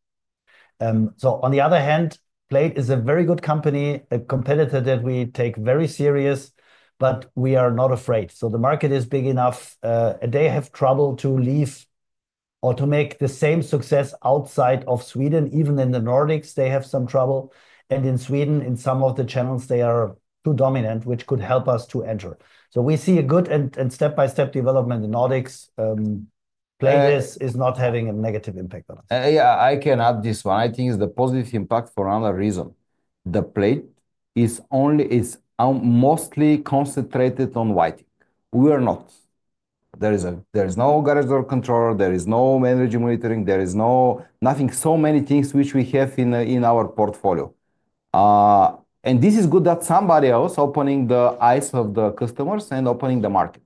S2: So on the other hand, Plejd is a very good company, a competitor that we take very serious, but we are not afraid. So the market is big enough. They have trouble to leave or to make the same success outside of Sweden. Even in the Nordics, they have some trouble. And in Sweden, in some of the channels, they are too dominant, which could help us to enter. So we see a good and step-by-step development in the Nordics. Plejd is not having a negative impact on us.
S3: Yeah, I can add this one. I think it's the positive impact for another reason. Plejd is mostly concentrated on lighting. We are not. There is no garage door controller. There is no energy monitoring. There is nothing. So many things which we have in our portfolio. And this is good that somebody else is opening the eyes of the customers and opening the market.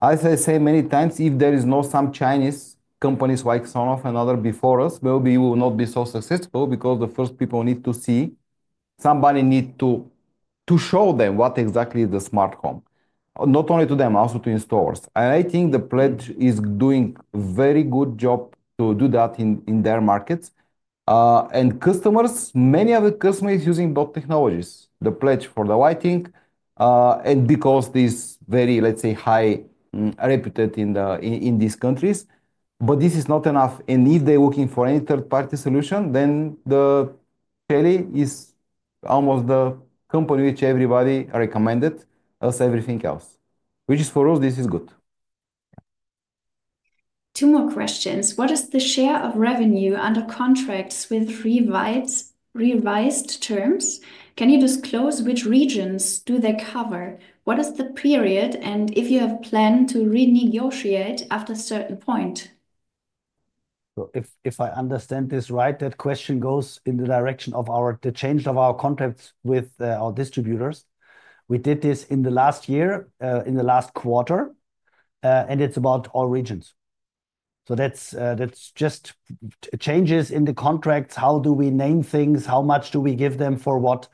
S3: As I say many times, if there is no some Chinese companies like Sonoff and other before us, maybe we will not be so successful because the first people need to see, somebody needs to show them what exactly is the smart home, not only to them, also to installers. And I think Plejd is doing a very good job to do that in their markets. Customers, many of the customers are using both technologies, the Plejd for the lighting, and because this is very, let's say, highly reputed in these countries. But this is not enough. If they're looking for any third-party solution, then the Shelly is almost the company which everybody recommended as everything else, which is for us, this is good.
S1: Two more questions. What is the share of revenue under contracts with revised terms? Can you disclose which regions do they cover? What is the period and if you have planned to renegotiate after a certain point?
S2: If I understand this right, that question goes in the direction of the change of our contracts with our distributors. We did this in the last year, in the last quarter, and it's about all regions. So that's just changes in the contracts. How do we name things? How much do we give them for what?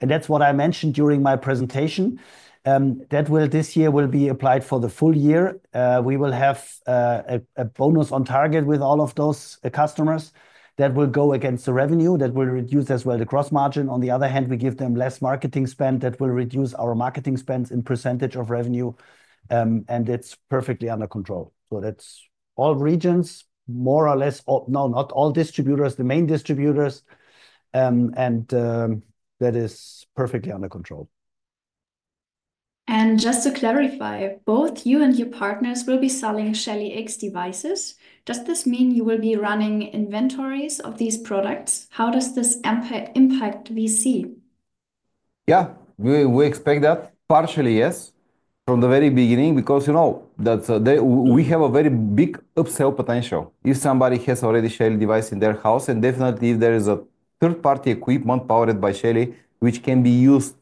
S2: And that's what I mentioned during my presentation. That will this year be applied for the full year. We will have a bonus on target with all of those customers that will go against the revenue that will reduce as well the gross margin. On the other hand, we give them less marketing spend that will reduce our marketing spend in percentage of revenue. And it's perfectly under control. So that's all regions, more or less, no, not all distributors, the main distributors. And that is perfectly under control.
S1: And just to clarify, both you and your partners will be selling Shelly X devices. Does this mean you will be running inventories of these products? How does this impact VC?
S3: Yeah, we expect that partially, yes, from the very beginning because we have a very big upsell potential. If somebody has already a Shelly device in their house, and definitely if there is a third-party equipment powered by Shelly, which can be used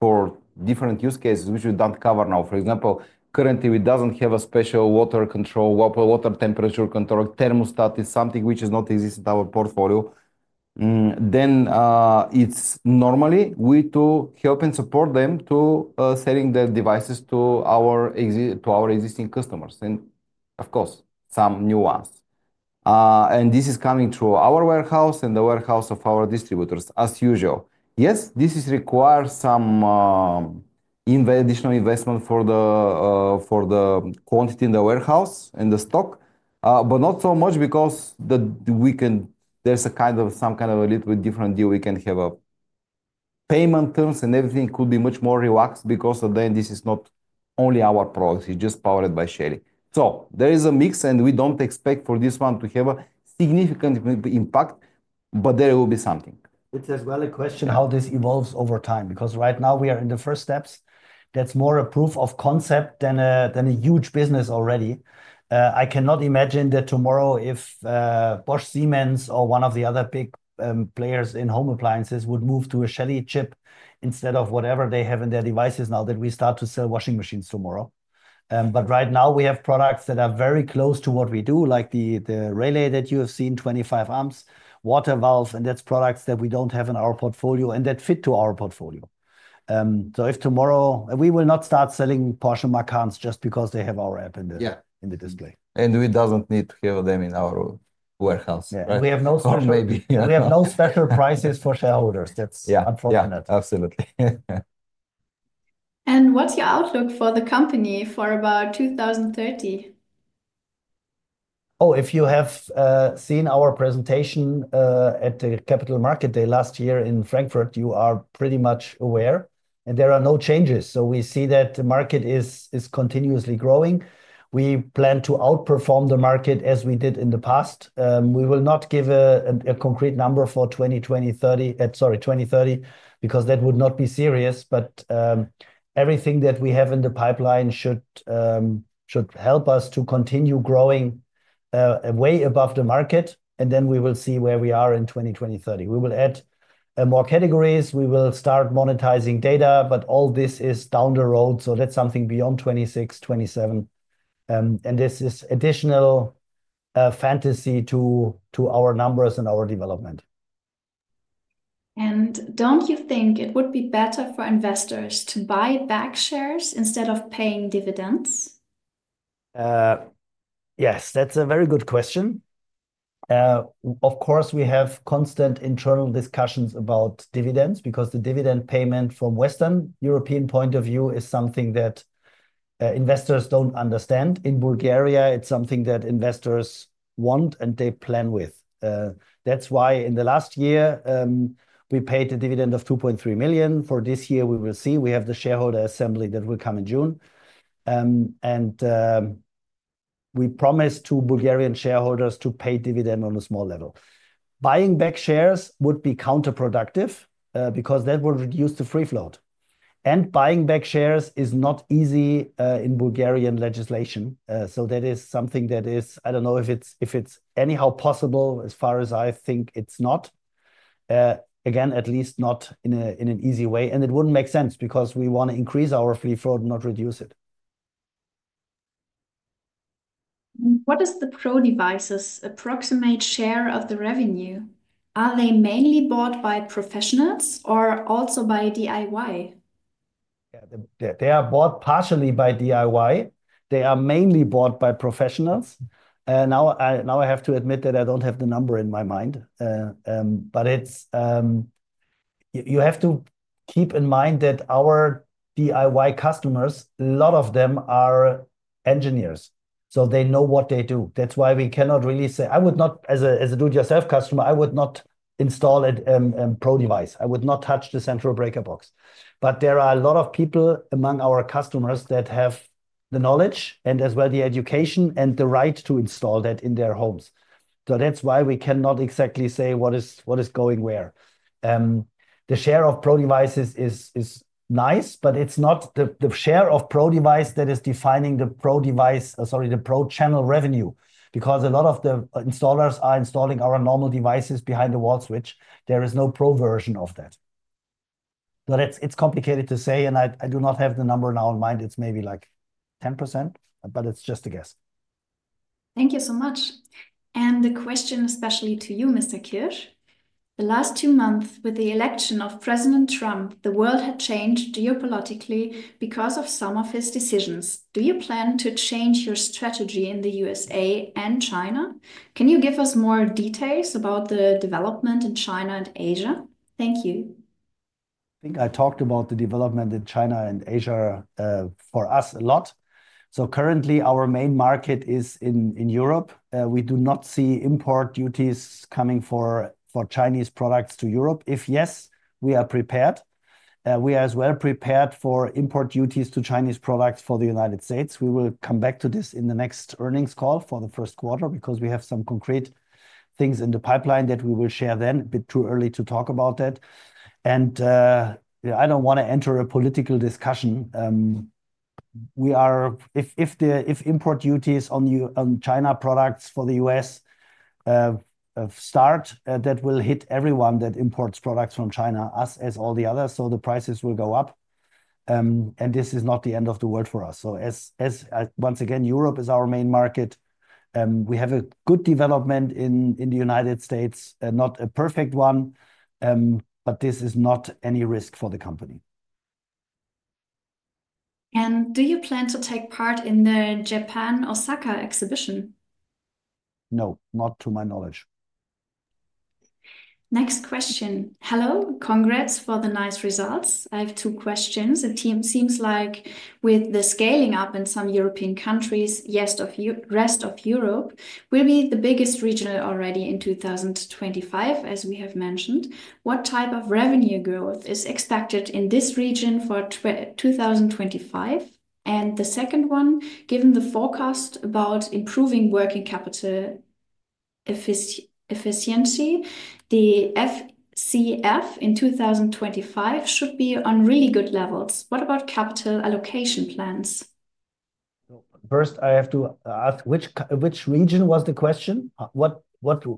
S3: for different use cases, which we don't cover now. For example, currently, we don't have a special water control, water temperature control. Thermostat is something which is not existing in our portfolio. Then it's normally we to help and support them to selling the devices to our existing customers. And of course, some nuance. And this is coming through our warehouse and the warehouse of our distributors, as usual. Yes, this requires some additional investment for the quantity in the warehouse and the stock, but not so much because there's a kind of a little bit different deal. We can have payment terms and everything could be much more relaxed because then this is not only our product. It's just powered by Shelly. So there is a mix, and we don't expect for this one to have a significant impact, but there will be something.
S2: It's as well a question how this evolves over time because right now we are in the first steps. That's more a proof of concept than a huge business already. I cannot imagine that tomorrow if Bosch-Siemens or one of the other big players in home appliances would move to a Shelly chip instead of whatever they have in their devices now that we start to sell washing machines tomorrow. But right now, we have products that are very close to what we do, like the relay that you have seen, 25 amps, water valves, and that's products that we don't have in our portfolio and that fit to our portfolio. So, if tomorrow we will not start selling Porsche Macans just because they have our app in the display.
S3: And we don't need to have them in our warehouse.
S2: We have no special prices for shareholders. That's unfortunate.
S3: Absolutely.
S1: And what's your outlook for the company for about 2030?
S2: Oh, if you have seen our presentation at the Capital Market Day last year in Frankfurt, you are pretty much aware. And there are no changes. So we see that the market is continuously growing. We plan to outperform the market as we did in the past. We will not give a concrete number for 2030 because that would not be serious. But everything that we have in the pipeline should help us to continue growing way above the market. And then we will see where we are in 2023. We will add more categories. We will start monetizing data, but all this is down the road, so that's something beyond 2026, 2027, and this is additional fantasy to our numbers and our development.
S1: And don't you think it would be better for investors to buy back shares instead of paying dividends?
S2: Yes, that's a very good question. Of course, we have constant internal discussions about dividends because the dividend payment from Western European point of view is something that investors don't understand. In Bulgaria, it's something that investors want and they plan with. That's why in the last year, we paid a dividend of BGN 2.3 million. For this year, we will see. We have the shareholder assembly that will come in June, and we promised to Bulgarian shareholders to pay dividend on a small level. Buying back shares would be counterproductive because that would reduce the free float. Buying back shares is not easy in Bulgarian legislation. That is something that is, I don't know if it's anyhow possible as far as I think it's not. Again, at least not in an easy way. It wouldn't make sense because we want to increase our free float, not reduce it.
S1: What is the Pro devices approximate share of the revenue? Are they mainly bought by professionals or also by DIY?
S2: Yeah, they are bought partially by DIY. They are mainly bought by professionals. Now I have to admit that I don't have the number in my mind. But you have to keep in mind that our DIY customers, a lot of them are engineers. They know what they do. That's why we cannot really say. I would not, as a do-it-yourself customer, I would not install a Pro device. I would not touch the central breaker box. But there are a lot of people among our customers that have the knowledge and as well the education and the right to install that in their homes. So that's why we cannot exactly say what is going where. The share of Pro devices is nice, but it's not the share of Pro device that is defining the Pro device, sorry, the Pro channel revenue. Because a lot of the installers are installing our normal devices behind the wall switch. There is no Pro version of that. But it's complicated to say, and I do not have the number now in mind. It's maybe like 10%, but it's just a guess.
S1: Thank you so much. And the question especially to you, Mr. Kirsch. The last two months with the election of President Trump, the world had changed geopolitically because of some of his decisions. Do you plan to change your strategy in the U.S.A and China? Can you give us more details about the development in China and Asia? Thank you.
S2: I think I talked about the development in China and Asia for us a lot. So currently, our main market is in Europe. We do not see import duties coming for Chinese products to Europe. If yes, we are prepared. We are as well prepared for import duties to Chinese products for the United States. We will come back to this in the next earnings call for the first quarter because we have some concrete things in the pipeline that we will share then. A bit too early to talk about that. And I don't want to enter a political discussion. If import duties on China products for the U.S. start, that will hit everyone that imports products from China, us as all the others. So the prices will go up. And this is not the end of the world for us. So once again, Europe is our main market. We have a good development in the United States, not a perfect one, but this is not any risk for the company.
S1: And do you plan to take part in the Japan, Osaka exhibition?
S2: No, not to my knowledge.
S1: Next question. Hello, congrats for the nice results. I have two questions. It seems like with the scaling up in some European countries, yes, Rest of Europe will be the biggest region already in 2025, as we have mentioned. What type of revenue growth is expected in this region for 2025? The second one, given the forecast about improving working capital efficiency, the FCF in 2025 should be on really good levels. What about capital allocation plans? First, I have to ask which region was the question?
S2: What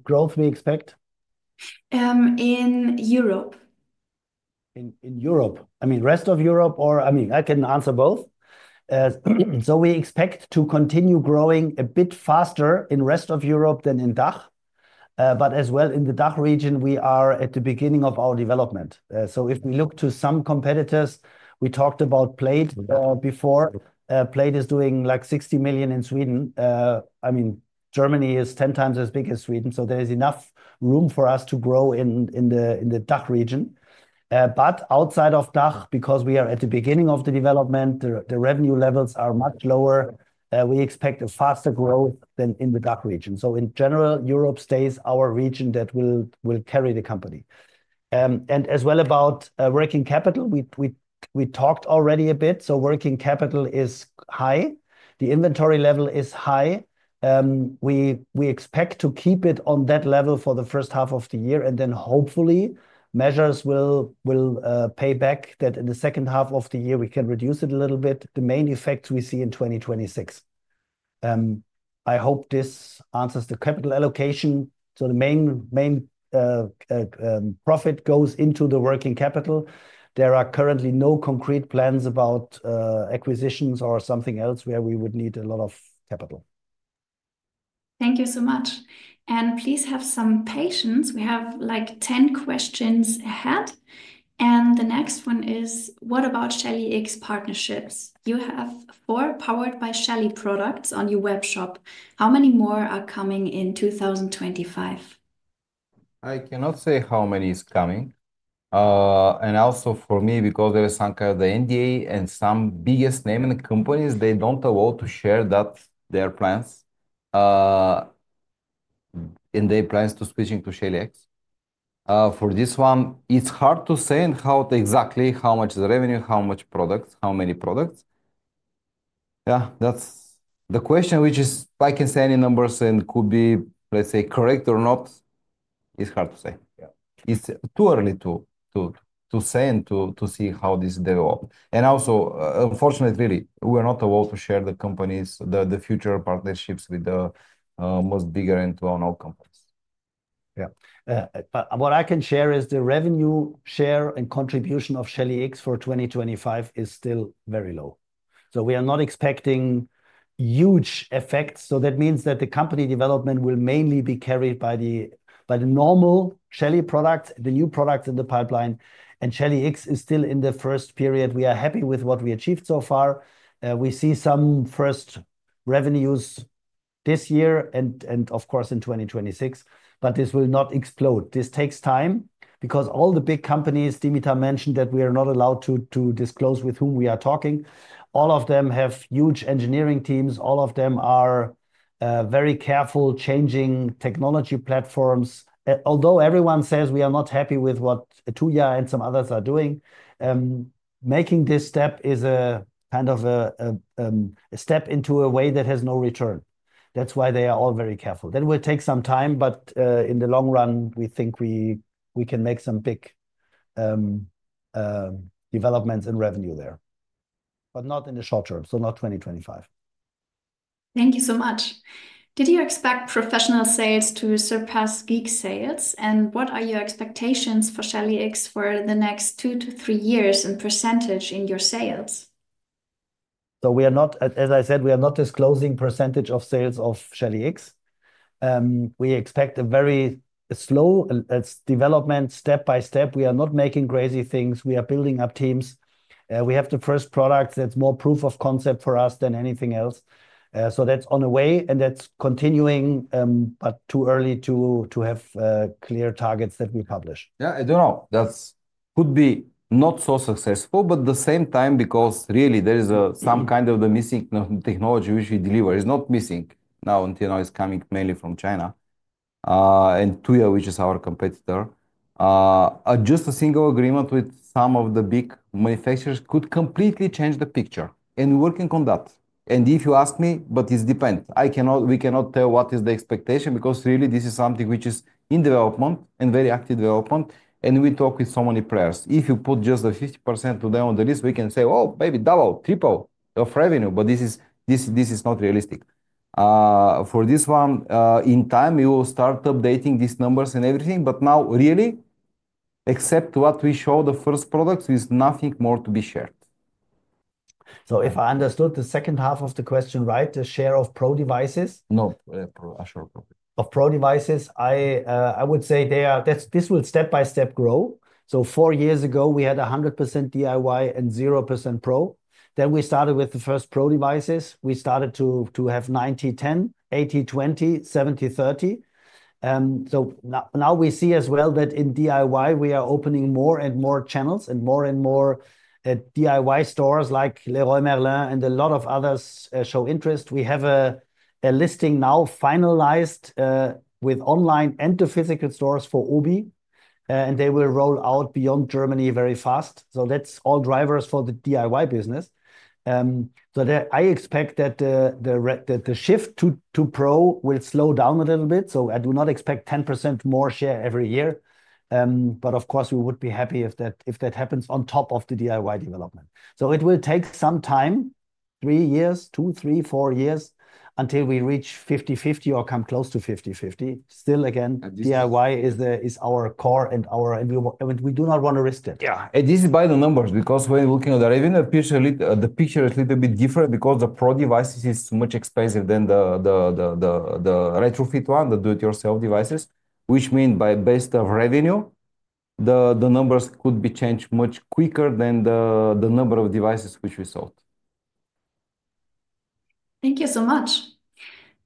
S2: growth we expect?
S1: In Europe.
S2: In Europe, I mean Rest of Europe or I mean I can answer both. We expect to continue growing a bit faster in Rest of Europe than in DACH. But as well in the DACH region, we are at the beginning of our development. So if we look to some competitors, we talked about Plejd before. Plejd is doing like 60 million in Sweden. I mean, Germany is 10x as big as Sweden. So there is enough room for us to grow in the DACH region. But outside of DACH, because we are at the beginning of the development, the revenue levels are much lower. We expect a faster growth than in the DACH region, so in general, Europe stays our region that will carry the company, and as well about working capital, we talked already a bit, so working capital is high. The inventory level is high. We expect to keep it on that level for the first half of the year, and then hopefully, measures will pay back that in the second half of the year, we can reduce it a little bit. The main effects we see in 2026. I hope this answers the capital allocation, so the main profit goes into the working capital. There are currently no concrete plans about acquisitions or something else where we would need a lot of capital.
S1: Thank you so much, and please have some patience. We have like 10 questions ahead, and the next one is, what about Shelly X partnerships? You have four powered by Shelly products on your webshop. How many more are coming in 2025?
S3: I cannot say how many is coming. And also for me, because there is some kind of the NDA and some biggest name companies, they don't allow to share their plans to switching to Shelly X. For this one, it's hard to say how exactly how much is the revenue, how much products, how many products. Yeah, that's the question, which is I can say any numbers and could be, let's say, correct or not. It's hard to say. It's too early to say and to see how this develops. And also, unfortunately, really, we're not allowed to share the companies, the future partnerships with the most bigger and our own companies.
S2: Yeah, but what I can share is the revenue share and contribution of Shelly X for 2025 is still very low. So we are not expecting huge effects. So that means that the company development will mainly be carried by the normal Shelly products, the new products in the pipeline. And Shelly X is still in the first period. We are happy with what we achieved so far. We see some first revenues this year and, of course, in 2026, but this will not explode. This takes time because all the big companies, Dimitar mentioned that we are not allowed to disclose with whom we are talking. All of them have huge engineering teams. All of them are very careful changing technology platforms. Although everyone says we are not happy with what Tuya and some others are doing, making this step is a kind of a step into a way that has no return. That's why they are all very careful. That will take some time, but in the long run, we think we can make some big developments in revenue there, but not in the short term, so not 2025.
S1: Thank you so much. Did you expect professional sales to surpass geek sales? And what are your expectations for Shelly X for the next two to three years in percentage in your sales?
S2: So we are not, as I said, we are not disclosing percentage of sales of Shelly X. We expect a very slow development step by step. We are not making crazy things. We are building up teams. We have the first product that's more proof of concept for us than anything else. So that's on the way, and that's continuing, but too early to have clear targets that we publish.
S3: Yeah, I don't know. That could be not so successful, but at the same time, because really, there is some kind of the missing technology which we deliver is not missing now until now. It's coming mainly from China. And Tuya, which is our competitor, just a single agreement with some of the big manufacturers could completely change the picture. And we're working on that. And if you ask me, but it depends. We cannot tell what is the expectation because really, this is something which is in development and very active development. And we talk with so many players. If you put just the 50% of them on the list, we can say, oh, maybe double, triple of revenue, but this is not realistic. For this one, in time, we will start updating these numbers and everything. But now, really, except what we show, the first products with nothing more to be shared. So if I understood the second half of the question right, the share of Pro devices? No, I'm sure.
S2: Of Pro devices, I would say this will step by step grow. So four years ago, we had 100% DIY and 0% Pro. Then we started with the first Pro devices. We started to have 90%-10%, 80%-20%, 70%-30%. So now we see as well that in DIY, we are opening more and more channels and more and more DIY stores like Leroy Merlin and a lot of others show interest. We have a listing now finalized with online and the physical stores for OBI. And they will roll out beyond Germany very fast. So that's all drivers for the DIY business. So I expect that the shift to Pro will slow down a little bit. So I do not expect 10% more share every year. But of course, we would be happy if that happens on top of the DIY development. So it will take some time, three years, two, three, four years until we reach 50-50 or come close to 50-50. Still, again, DIY is our core and our... And we do not want to risk that.
S3: Yeah, and this is by the numbers because when looking at the revenue, the picture is a little bit different because the Pro devices is much expensive than the retrofit one, the do-it-yourself devices, which means but based on revenue, the numbers could be changed much quicker than the number of devices which we sold.
S1: Thank you so much.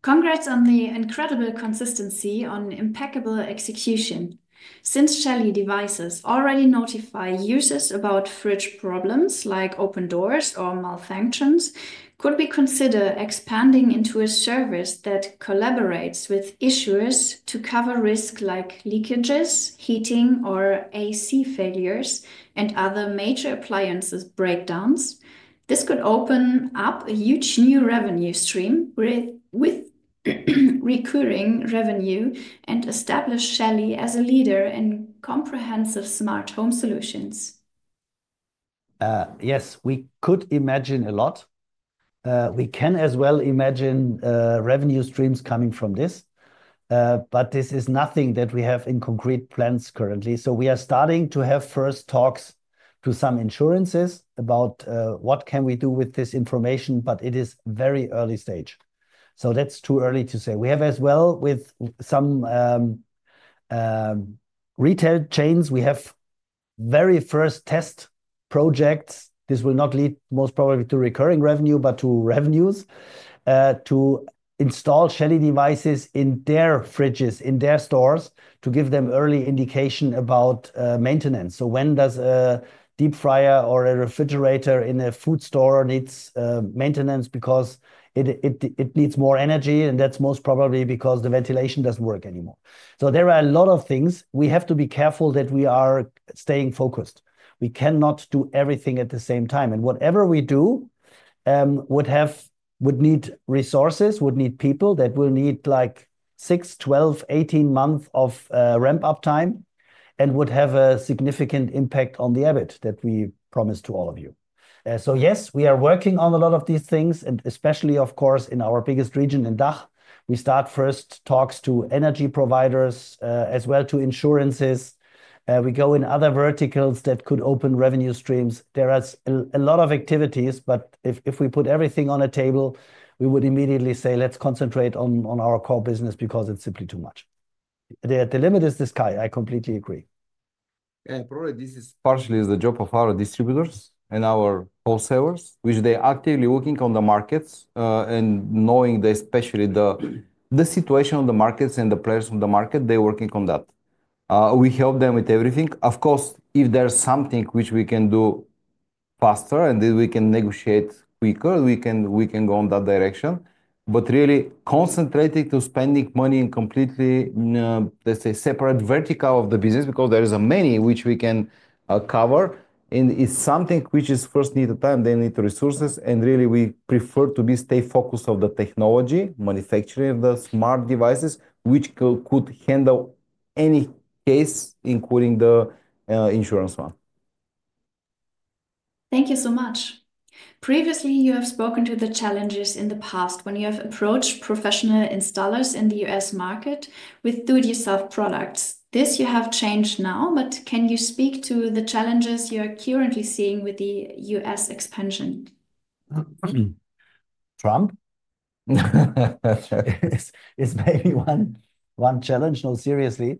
S1: Congrats on the incredible consistency on impeccable execution. Since Shelly devices already notify users about fridge problems like open doors or malfunctions, could we consider expanding into a service that collaborates with insurers to cover risk like leakages, heating, or AC failures and other major appliances breakdowns? This could open up a huge new revenue stream with recurring revenue and establish Shelly as a leader in comprehensive smart home solutions.
S2: Yes, we could imagine a lot. We can as well imagine revenue streams coming from this. But this is nothing that we have in concrete plans currently. So we are starting to have first talks to some insurances about what can we do with this information, but it is very early stage. So that's too early to say. We have as well with some retail chains, we have very first test projects. This will not lead most probably to recurring revenue, but to revenues to install Shelly devices in their fridges, in their stores to give them early indication about maintenance. So when does a deep fryer or a refrigerator in a food store needs maintenance because it needs more energy? And that's most probably because the ventilation doesn't work anymore. So there are a lot of things. We have to be careful that we are staying focused. We cannot do everything at the same time. Whatever we do would need resources, would need people that will need like six, 12, 18 months of ramp-up time and would have a significant impact on the habits that we promised to all of you. Yes, we are working on a lot of these things, and especially, of course, in our biggest region in DACH. We start first talks to energy providers as well to insurances. We go in other verticals that could open revenue streams. There are a lot of activities, but if we put everything on a table, we would immediately say, let's concentrate on our core business because it's simply too much. The sky is the limit. I completely agree.
S3: Probably this is partially the job of our distributors and our wholesalers, which they are actively working on the markets and knowing especially the situation on the markets and the players on the market. They're working on that. We help them with everything. Of course, if there's something which we can do faster and we can negotiate quicker, we can go in that direction. But really concentrating to spending money in completely, let's say, separate vertical of the business because there are many which we can cover. And it's something which is first need of time, then need resources. And really, we prefer to stay focused on the technology, manufacturing the smart devices, which could handle any case, including the insurance one.
S1: Thank you so much. Previously, you have spoken to the challenges in the past when you have approached professional installers in the U.S. market with do-it-yourself products. This you have changed now, but can you speak to the challenges you are currently seeing with the U.S. expansion?
S2: Trump? It's maybe one challenge, no, seriously.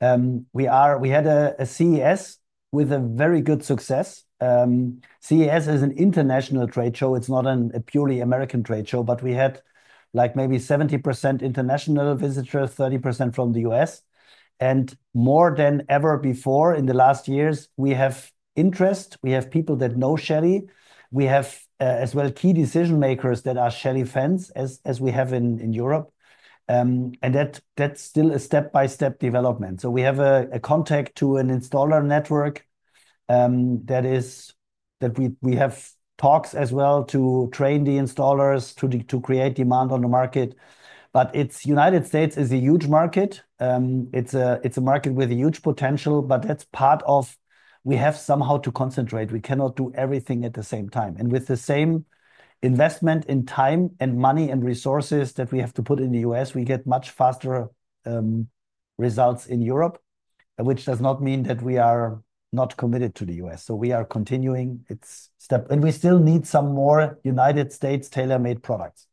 S2: We had a CES with a very good success. CES is an international trade show. It's not a purely American trade show, but we had like maybe 70% international visitors, 30% from the U.S. And more than ever before in the last years, we have interest. We have people that know Shelly. We have as well key decision makers that are Shelly fans as we have in Europe. And that's still a step-by-step development. So we have a contact to an installer network that we have talks as well to train the installers to create demand on the market. But the United States is a huge market. It's a market with a huge potential, but that's part of we have somehow to concentrate. We cannot do everything at the same time, and with the same investment in time and money and resources that we have to put in the U.S., we get much faster results in Europe, which does not mean that we are not committed to the U.S., so we are continuing, and we still need some more United States tailor-made products.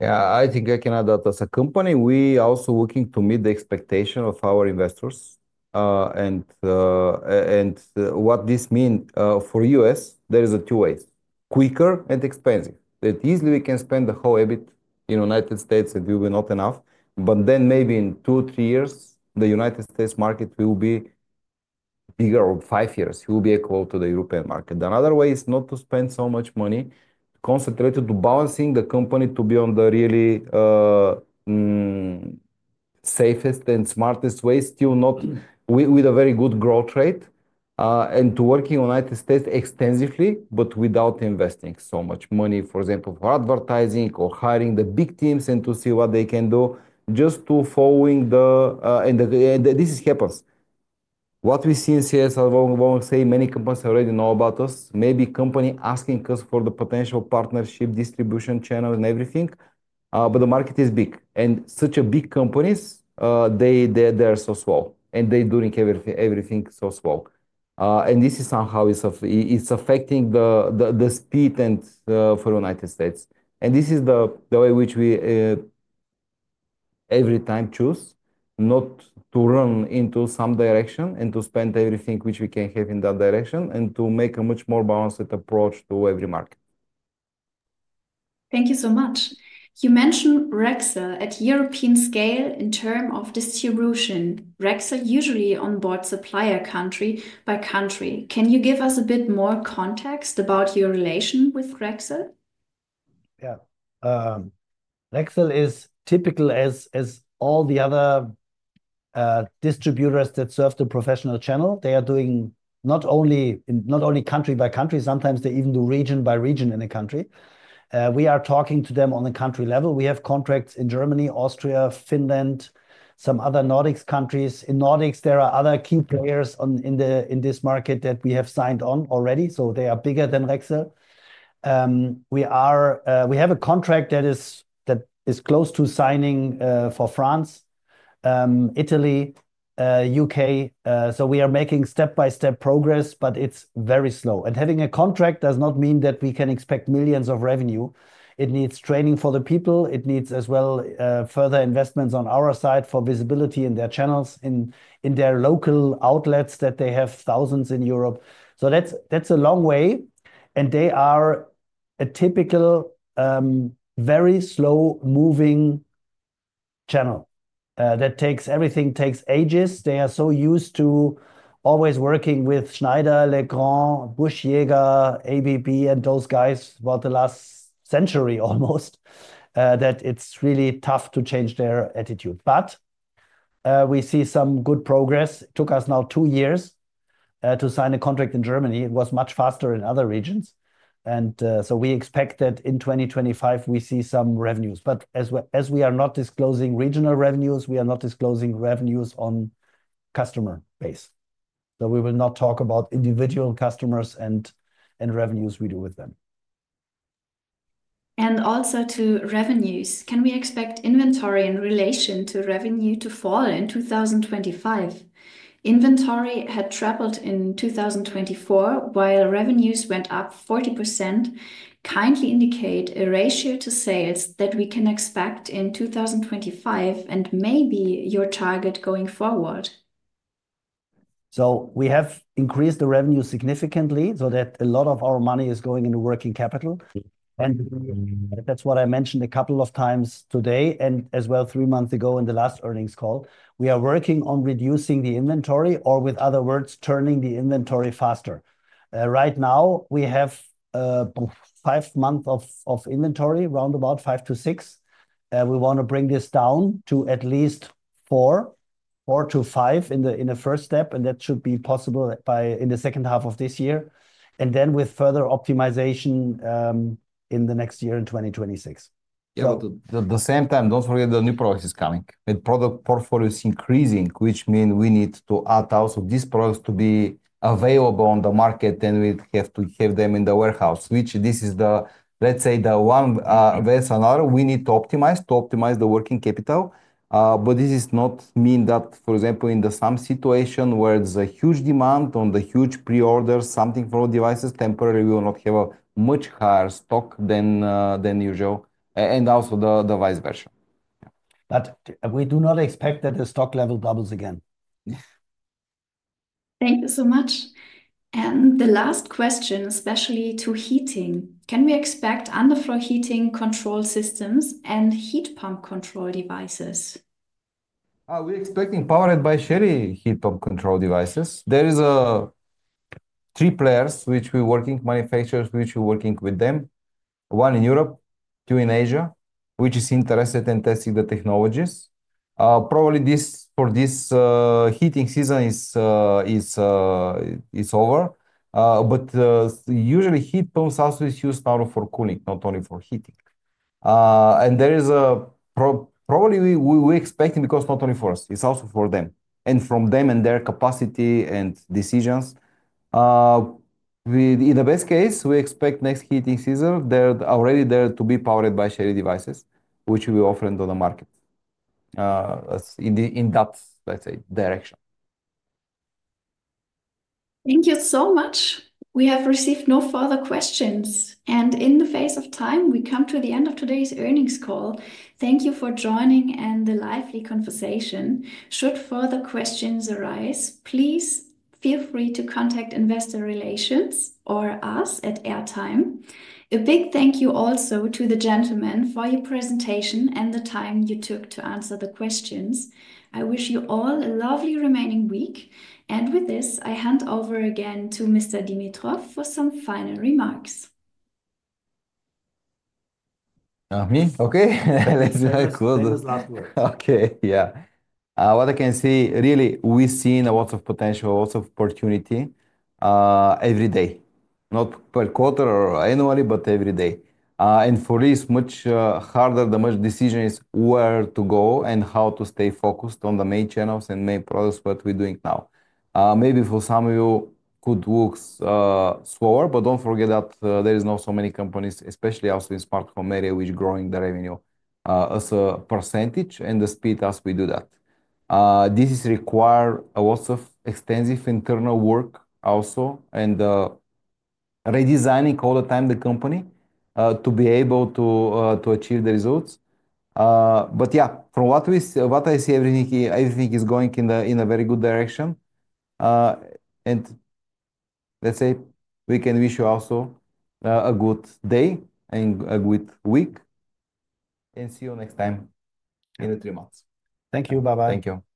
S3: Yeah, I think I can add that as a company, we are also working to meet the expectation of our investors, and what this means for the U.S., there are two ways: quick and expensive. That easily we can spend the whole budget in the United States and it will not be enough. But then maybe in two, three years, the United States market will be bigger or five years will be equal to the European market. Another way is not to spend so much money to concentrate on balancing the company to be on the really safest and smartest way, still not with a very good growth rate. And to work in the United States extensively, but without investing so much money, for example, for advertising or hiring the big teams and to see what they can do, just to follow the... And this happens. What we see in CES, I won't say many companies already know about us. Maybe a company asking us for the potential partnership, distribution channel, and everything. But the market is big. And such big companies, they are so small. And they're doing everything so small. And this is somehow affecting the speed for the United States. And this is the way which we every time choose not to run into some direction and to spend everything which we can have in that direction and to make a much more balanced approach to every market.
S1: Thank you so much. You mentioned Rexel at European scale in terms of distribution. Rexel usually onboard supplier country by country. Can you give us a bit more context about your relation with Rexel?
S2: Yeah. Rexel is typical as all the other distributors that serve the professional channel. They are doing not only country by country. Sometimes they even do region by region in a country. We are talking to them on a country level. We have contracts in Germany, Austria, Finland, some other Nordic countries. In Nordics, there are other key players in this market that we have signed on already. So they are bigger than Rexel. We have a contract that is close to signing for France, Italy, U.K., so we are making step-by-step progress, but it's very slow, and having a contract does not mean that we can expect millions of revenue. It needs training for the people. It needs as well further investments on our side for visibility in their channels, in their local outlets that they have thousands in Europe, so that's a long way, and they are a typical, very slow-moving channel that takes everything, takes ages. They are so used to always working with Schneider, Legrand, Busch-Jaeger, ABB, and those guys about the last century almost that it's really tough to change their attitude, but we see some good progress. It took us now two years to sign a contract in Germany. It was much faster in other regions, and so we expect that in 2025, we see some revenues. But as we are not disclosing regional revenues, we are not disclosing revenues on customer base. So we will not talk about individual customers and revenues we do with them.
S1: And also to revenues, can we expect inventory in relation to revenue to fall in 2025? Inventory had tripled in 2024 while revenues went up 40%. Kindly indicate a ratio to sales that we can expect in 2025 and maybe your target going forward.
S2: So we have increased the revenue significantly so that a lot of our money is going into working capital. And that's what I mentioned a couple of times today and as well three months ago in the last earnings call. We are working on reducing the inventory or, with other words, turning the inventory faster. Right now, we have five months of inventory, round about five to six. We want to bring this down to at least four to five in the first step, and that should be possible in the second half of this year. And then with further optimization in the next year in 2026.
S3: Yeah, at the same time, do not forget the new products is coming. The product portfolio is increasing, which means we need to add also these products to be available on the market, and we have to have them in the warehouse, which this is the, let's say, the one versus another. We need to optimize to optimize the working capital. But this does not mean that, for example, in some situation where there's a huge demand on the huge pre-orders, something for devices, temporarily we will not have a much higher stock than usual. And also the vice versa. But we do not expect that the stock level doubles again.
S1: Thank you so much. And the last question, especially to heating. Can we expect underfloor heating control systems and heat pump control devices?
S3: We're expecting powered by Shelly heat pump control devices. There are three players, which we're working, manufacturers which we're working with them. One in Europe, two in Asia, which is interested in testing the technologies. Probably this for this heating season is over, but usually heat pumps also are used for cooling, not only for heating. And there is a probably we expect because not only for us, it's also for them. And from them and their capacity and decisions. In the best case, we expect next heating season they're already there to be powered by Shelly devices, which we will offer into the market. In that, let's say, direction.
S1: Thank you so much. We have received no further questions. And in the face of time, we come to the end of today's earnings call. Thank you for joining and the lively conversation. Should further questions arise, please feel free to contact Investor Relations or us anytime. A big thank you also to the gentlemen for your presentation and the time you took to answer the questions. I wish you all a lovely remaining week. And with this, I hand over again to Mr. Dimitrov for some final remarks.
S3: Okay, that's very cool. Okay, yeah. What I can see, really, we've seen a lot of potential, a lot of opportunity every day. Not per quarter or annually, but every day. And for this, much harder, the main decision is where to go and how to stay focused on the main channels and main products that we're doing now. Maybe for some of you, could look slower, but don't forget that there are not so many companies, especially also in the smart home area, which are growing the revenue as a percentage and the speed as we do that. This requires a lot of extensive internal work also and redesigning all the time the company to be able to achieve the results. But yeah, from what I see, everything is going in a very good direction. And let's say we can wish you also a good day and a good week and see you next time in three months. Thank you. Bye-bye.
S2: Thank you. Bye-bye.